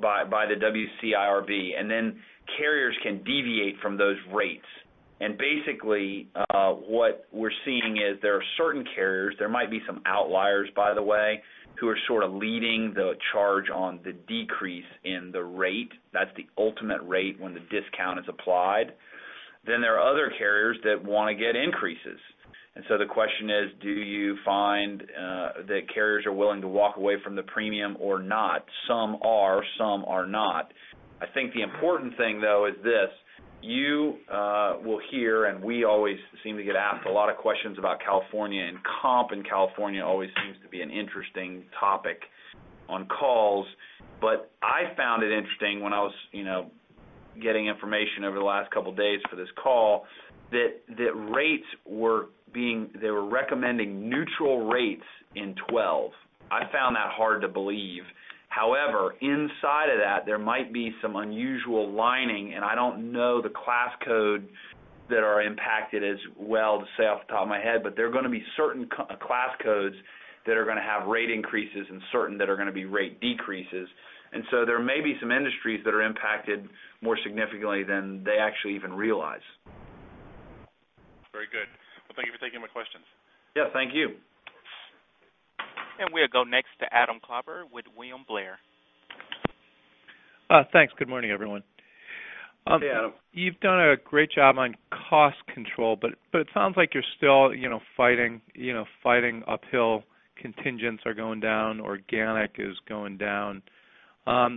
Speaker 2: the WCIRB. Then carriers can deviate from those rates. Basically, what we're seeing is there are certain carriers, there might be some outliers, by the way, who are sort of leading the charge on the decrease in the rate. That's the ultimate rate when the discount is applied. There are other carriers that want to get increases. So the question is, do you find that carriers are willing to walk away from the premium or not? Some are, some are not. I think the important thing, though, is this. You will hear, and we always seem to get asked a lot of questions about California, and comp in California always seems to be an interesting topic on calls. I found it interesting when I was getting information over the last couple of days for this call that they were recommending neutral rates in 2012. I found that hard to believe. However, inside of that, there might be some unusual lining, and I don't know the class codes that are impacted as well to say off the top of my head, but there are going to be certain class codes that are going to have rate increases and certain that are going to be rate decreases. There may be some industries that are impacted more significantly than they actually even realize.
Speaker 11: Very good. Well, thank you for taking my questions.
Speaker 2: Yeah. Thank you.
Speaker 1: We'll go next to Adam Klauber with William Blair.
Speaker 12: Thanks. Good morning, everyone.
Speaker 2: Hey, Adam.
Speaker 12: You've done a great job on cost control, it sounds like you're still fighting uphill. Contingents are going down, organic is going down.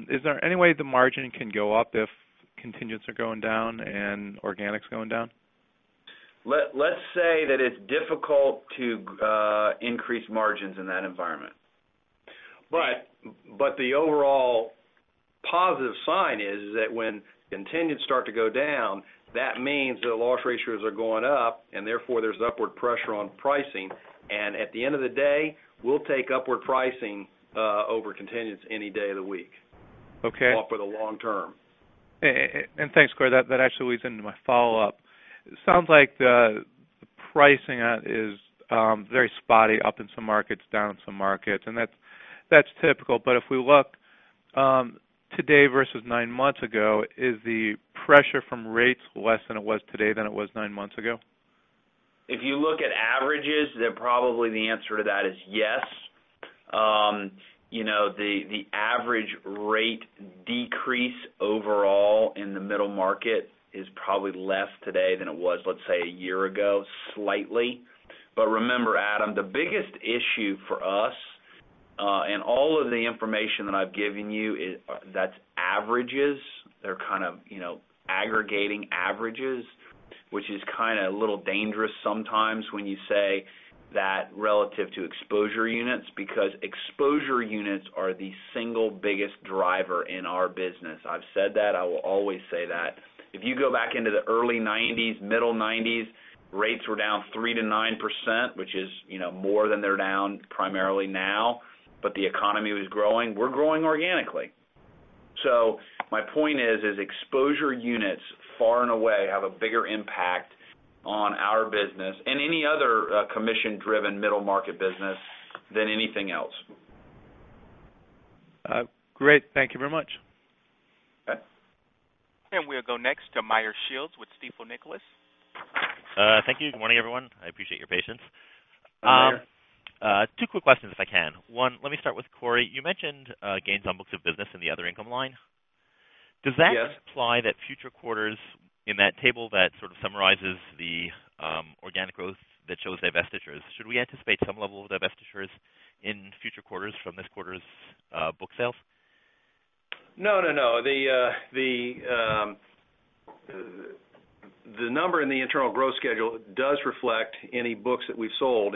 Speaker 12: Is there any way the margin can go up if contingents are going down and organic's going down?
Speaker 2: Let's say that it's difficult to increase margins in that environment. The overall positive sign is that when contingents start to go down, that means the loss ratios are going up, and therefore there's upward pressure on pricing. At the end of the day, we'll take upward pricing over contingents any day of the week.
Speaker 12: Okay.
Speaker 2: All for the long term.
Speaker 12: Thanks, Cory. That actually leads into my follow-up. It sounds like the pricing out is very spotty, up in some markets, down in some markets, and that's typical. If we look today versus nine months ago, is the pressure from rates less than it was today than it was nine months ago?
Speaker 2: If you look at averages, probably the answer to that is yes. The average rate decrease overall in the middle market is probably less today than it was, let's say, one year ago, slightly. Remember, Adam, the biggest issue for us, and all of the information that I've given you, that's averages. They're kind of aggregating averages, which is kind of a little dangerous sometimes when you say that relative to exposure units, because exposure units are the single biggest driver in our business. I've said that. I will always say that. If you go back into the early 1990s, middle 1990s, rates were down 3%-9%, which is more than they're down primarily now, but the economy was growing. We're growing organically. My point is exposure units far and away have a bigger impact on our business and any other commission-driven middle-market business than anything else.
Speaker 12: Great. Thank you very much.
Speaker 2: Okay.
Speaker 1: We'll go next to Meyer Shields with Stifel Nicolaus.
Speaker 13: Thank you. Good morning, everyone. I appreciate your patience.
Speaker 2: Hi, Meyer.
Speaker 13: Two quick questions, if I can. One, let me start with Cory. You mentioned gains on books of business in the other income line.
Speaker 2: Yes.
Speaker 13: Does that imply that future quarters in that table that sort of summarizes the organic growth that shows divestitures, should we anticipate some level of divestitures in future quarters from this quarter's book sales?
Speaker 2: No, no. The number in the internal growth schedule does reflect any books that we've sold.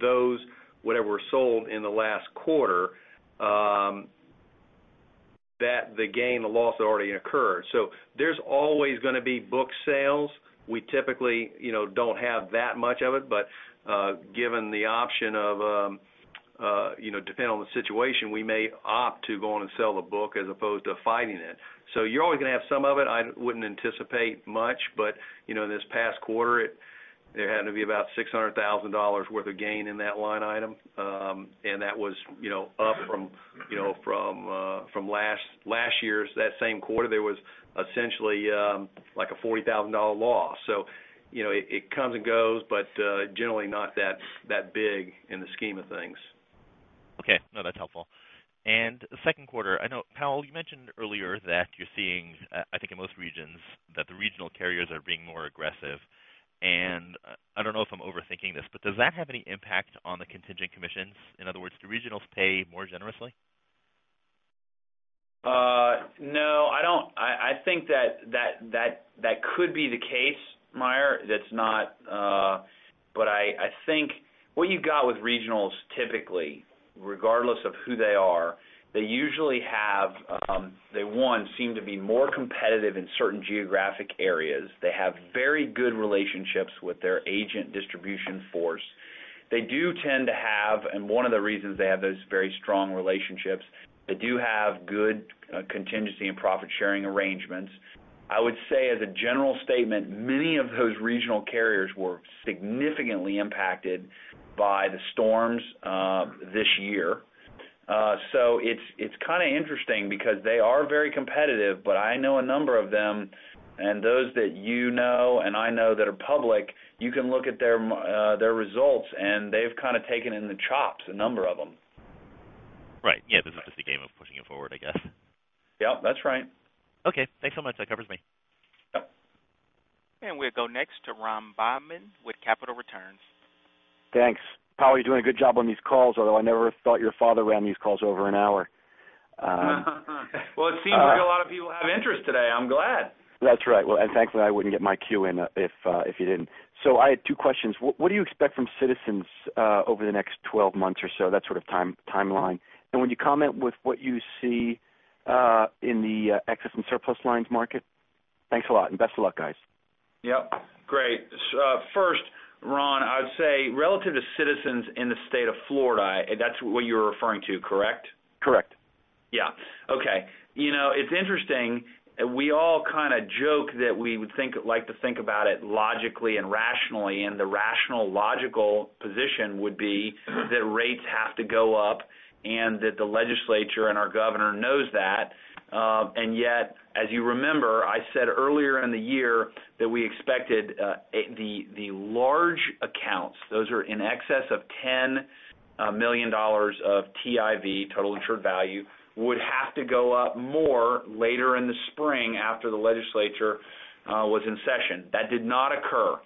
Speaker 2: Those, whatever were sold in the last quarter, the gain or loss already occurred. There's always going to be book sales. We typically don't have that much of it, but given the option of depending on the situation, we may opt to go on and sell the book as opposed to fighting it. You're always going to have some of it. I wouldn't anticipate much, but in this past quarter, there happened to be about $600,000 worth of gain in that line item. That was up from last year's, that same quarter, there was essentially, like a $40,000 loss. It comes and goes, but generally not that big in the scheme of things.
Speaker 13: Okay. No, that's helpful. The second quarter, I know, Powell, you mentioned earlier that you're seeing, I think in most regions, that the regional carriers are being more aggressive, and I don't know if I'm overthinking this, but does that have any impact on the contingent commissions? In other words, do regionals pay more generously?
Speaker 2: No. I think that could be the case, Meyer. I think what you've got with regionals, typically, regardless of who they are, they usually have, they seem to be more competitive in certain geographic areas. They have very good relationships with their agent distribution force. They do tend to have, and one of the reasons they have those very strong relationships, they do have good contingency and profit-sharing arrangements. I would say as a general statement, many of those regional carriers were significantly impacted by the storms this year. It's kind of interesting because they are very competitive, but I know a number of them, and those that you know and I know that are public, you can look at their results, and they've kind of taken in the chops, a number of them.
Speaker 13: Right. Yeah, this is just a game of pushing it forward, I guess.
Speaker 2: Yep, that's right.
Speaker 13: Okay. Thanks so much. That covers me.
Speaker 2: Yep.
Speaker 1: We'll go next to Ron Bobman with Capital Returns.
Speaker 14: Thanks. Powell, you're doing a good job on these calls, although I never thought your father ran these calls over an hour.
Speaker 2: Well, it seems like a lot of people have interest today. I'm glad.
Speaker 14: That's right. Well, thankfully, I wouldn't get my queue in if you didn't. I had two questions. What do you expect from Citizens over the next 12 months or so? That sort of timeline. Would you comment with what you see in the excess and surplus lines market? Thanks a lot, and best of luck, guys.
Speaker 2: Yep. Great. First, Ron, I would say relative to Citizens in the state of Florida, that is what you are referring to, correct?
Speaker 14: Correct.
Speaker 2: Yeah. Okay. It is interesting. We all kind of joke that we would like to think about it logically and rationally. The rational, logical position would be that rates have to go up. The legislature and our governor knows that. Yet, as you remember, I said earlier in the year that we expected the large accounts, those are in excess of $10 million of TIV, total insured value, would have to go up more later in the spring after the legislature was in session. That did not occur.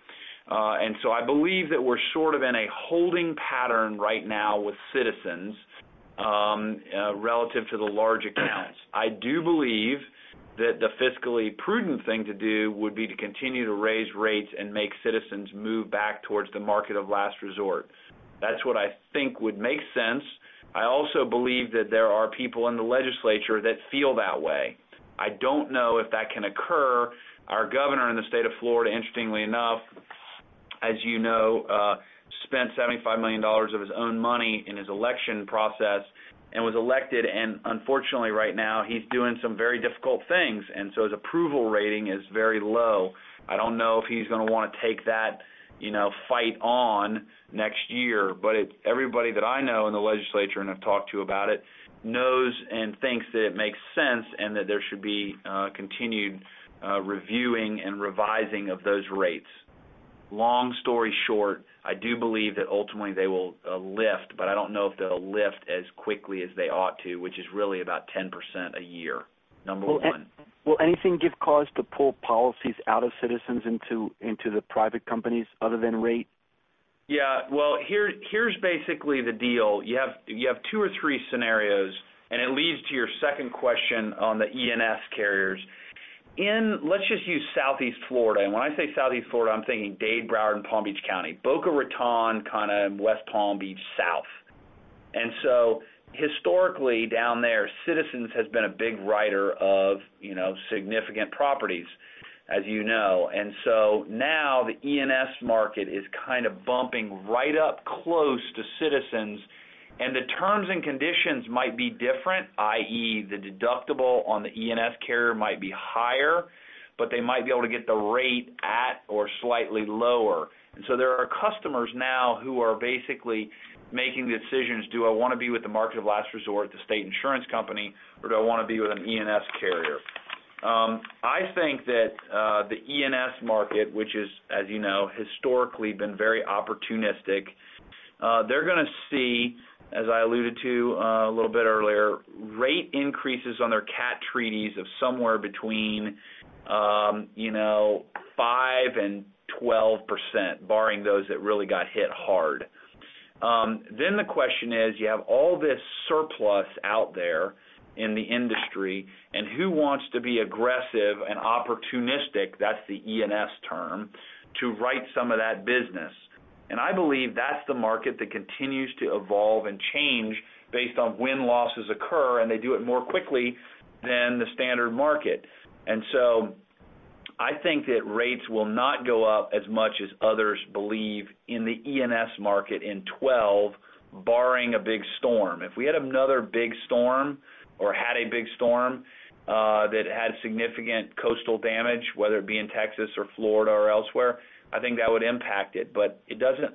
Speaker 2: So I believe that we are sort of in a holding pattern right now with Citizens, relative to the large accounts. I do believe that the fiscally prudent thing to do would be to continue to raise rates and make Citizens move back towards the market of last resort. That is what I think would make sense. I also believe that there are people in the legislature that feel that way. I do not know if that can occur. Our governor in the state of Florida, interestingly enough, as you know, spent $75 million of his own money in his election process and was elected. Unfortunately, right now he is doing some very difficult things, so his approval rating is very low. I do not know if he is going to want to take that fight on next year. Everybody that I know in the legislature, and have talked to about it, knows and thinks that it makes sense and that there should be continued reviewing and revising of those rates. Long story short, I do believe that ultimately they will lift, but I do not know if they will lift as quickly as they ought to, which is really about 10% a year, number one.
Speaker 14: Will anything give cause to pull policies out of Citizens into the private companies other than rate?
Speaker 2: Well, here's basically the deal. You have two or three scenarios, and it leads to your second question on the E&S carriers. Let's just use Southeast Florida. When I say Southeast Florida, I'm thinking Dade, Broward, and Palm Beach County. Boca Raton, kind of West Palm Beach south. Historically down there, Citizens has been a big rider of significant properties, as you know. Now the E&S market is kind of bumping right up close to Citizens, and the terms and conditions might be different, i.e., the deductible on the E&S carrier might be higher, but they might be able to get the rate at or slightly lower. There are customers now who are basically making the decisions, do I want to be with the market of last resort, the state insurance company, or do I want to be with an E&S carrier? I think that the E&S market, which is, as you know, historically been very opportunistic. They're going to see, as I alluded to a little bit earlier, rate increases on their cat treaties of somewhere between 5%-12%, barring those that really got hit hard. The question is, you have all this surplus out there in the industry, who wants to be aggressive and opportunistic, that's the E&S term, to write some of that business? I believe that's the market that continues to evolve and change based on when losses occur, and they do it more quickly than the standard market. I think that rates will not go up as much as others believe in the E&S market in 2012, barring a big storm. If we had another big storm or had a big storm that had significant coastal damage, whether it be in Texas or Florida or elsewhere, I think that would impact it. It doesn't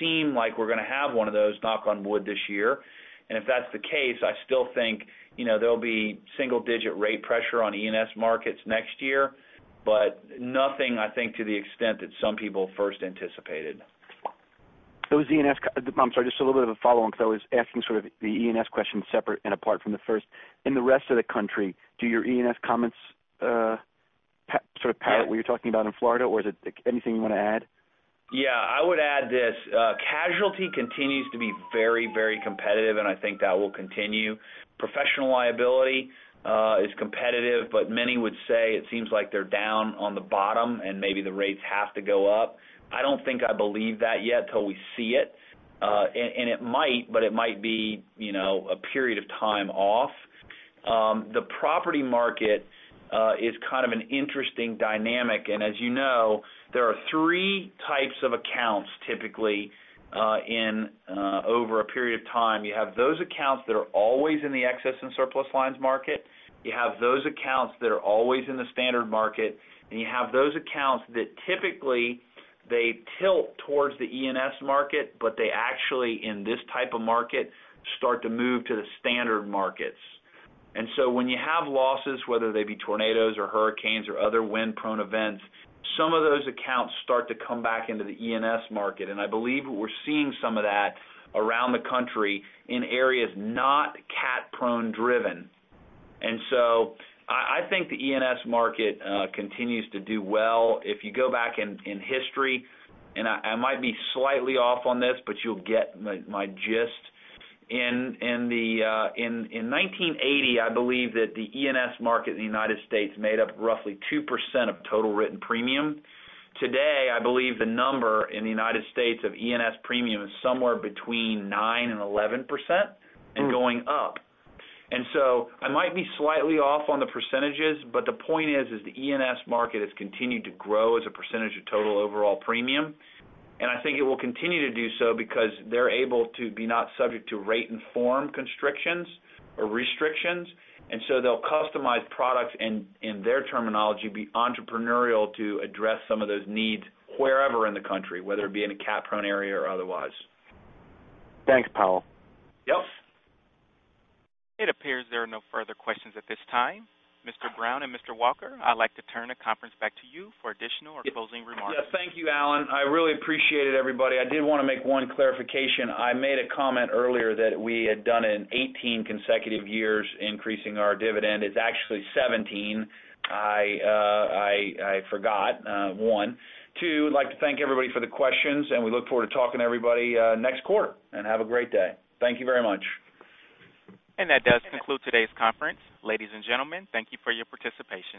Speaker 2: seem like we're going to have one of those, knock on wood, this year. If that's the case, I still think there'll be single-digit rate pressure on E&S markets next year, but nothing, I think, to the extent that some people first anticipated.
Speaker 14: Those E&S I'm sorry, just a little bit of a follow-on because I was asking sort of the E&S question separate and apart from the first. In the rest of the country, do your E&S comments sort of parallel what you're talking about in Florida, or is it anything you want to add?
Speaker 2: Yeah, I would add this. Casualty continues to be very competitive. I think that will continue. Professional liability is competitive. Many would say it seems like they're down on the bottom and maybe the rates have to go up. I don't think I believe that yet till we see it. It might, but it might be a period of time off. The property market is kind of an interesting dynamic. As you know, there are three types of accounts typically over a period of time. You have those accounts that are always in the excess and surplus lines market. You have those accounts that are always in the standard market. You have those accounts that typically they tilt towards the E&S market, but they actually, in this type of market, start to move to the standard markets. When you have losses, whether they be tornadoes or hurricanes or other wind-prone events, some of those accounts start to come back into the E&S market. I believe we're seeing some of that around the country in areas not cat-prone driven. I think the E&S market continues to do well. If you go back in history, I might be slightly off on this, but you'll get my gist. In 1980, I believe that the E&S market in the United States made up roughly 2% of total written premium. Today, I believe the number in the United States of E&S premium is somewhere between 9% and 11%, and going up. I might be slightly off on the percentages, but the point is the E&S market has continued to grow as a percentage of total overall premium. I think it will continue to do so because they're able to be not subject to rate and form constrictions or restrictions. They'll customize products in their terminology, be entrepreneurial to address some of those needs wherever in the country, whether it be in a cat-prone area or otherwise.
Speaker 14: Thanks, Powell.
Speaker 2: Yep.
Speaker 1: It appears there are no further questions at this time. Mr. Brown and Mr. Walker, I'd like to turn the conference back to you for additional or closing remarks.
Speaker 2: Thank you, Alan. I really appreciate it, everybody. I did want to make one clarification. I made a comment earlier that we had done it 18 consecutive years increasing our dividend. It's actually 17. I forgot, one. Two, I'd like to thank everybody for the questions, we look forward to talking to everybody next quarter. Have a great day. Thank you very much.
Speaker 1: That does conclude today's conference. Ladies and gentlemen, thank you for your participation.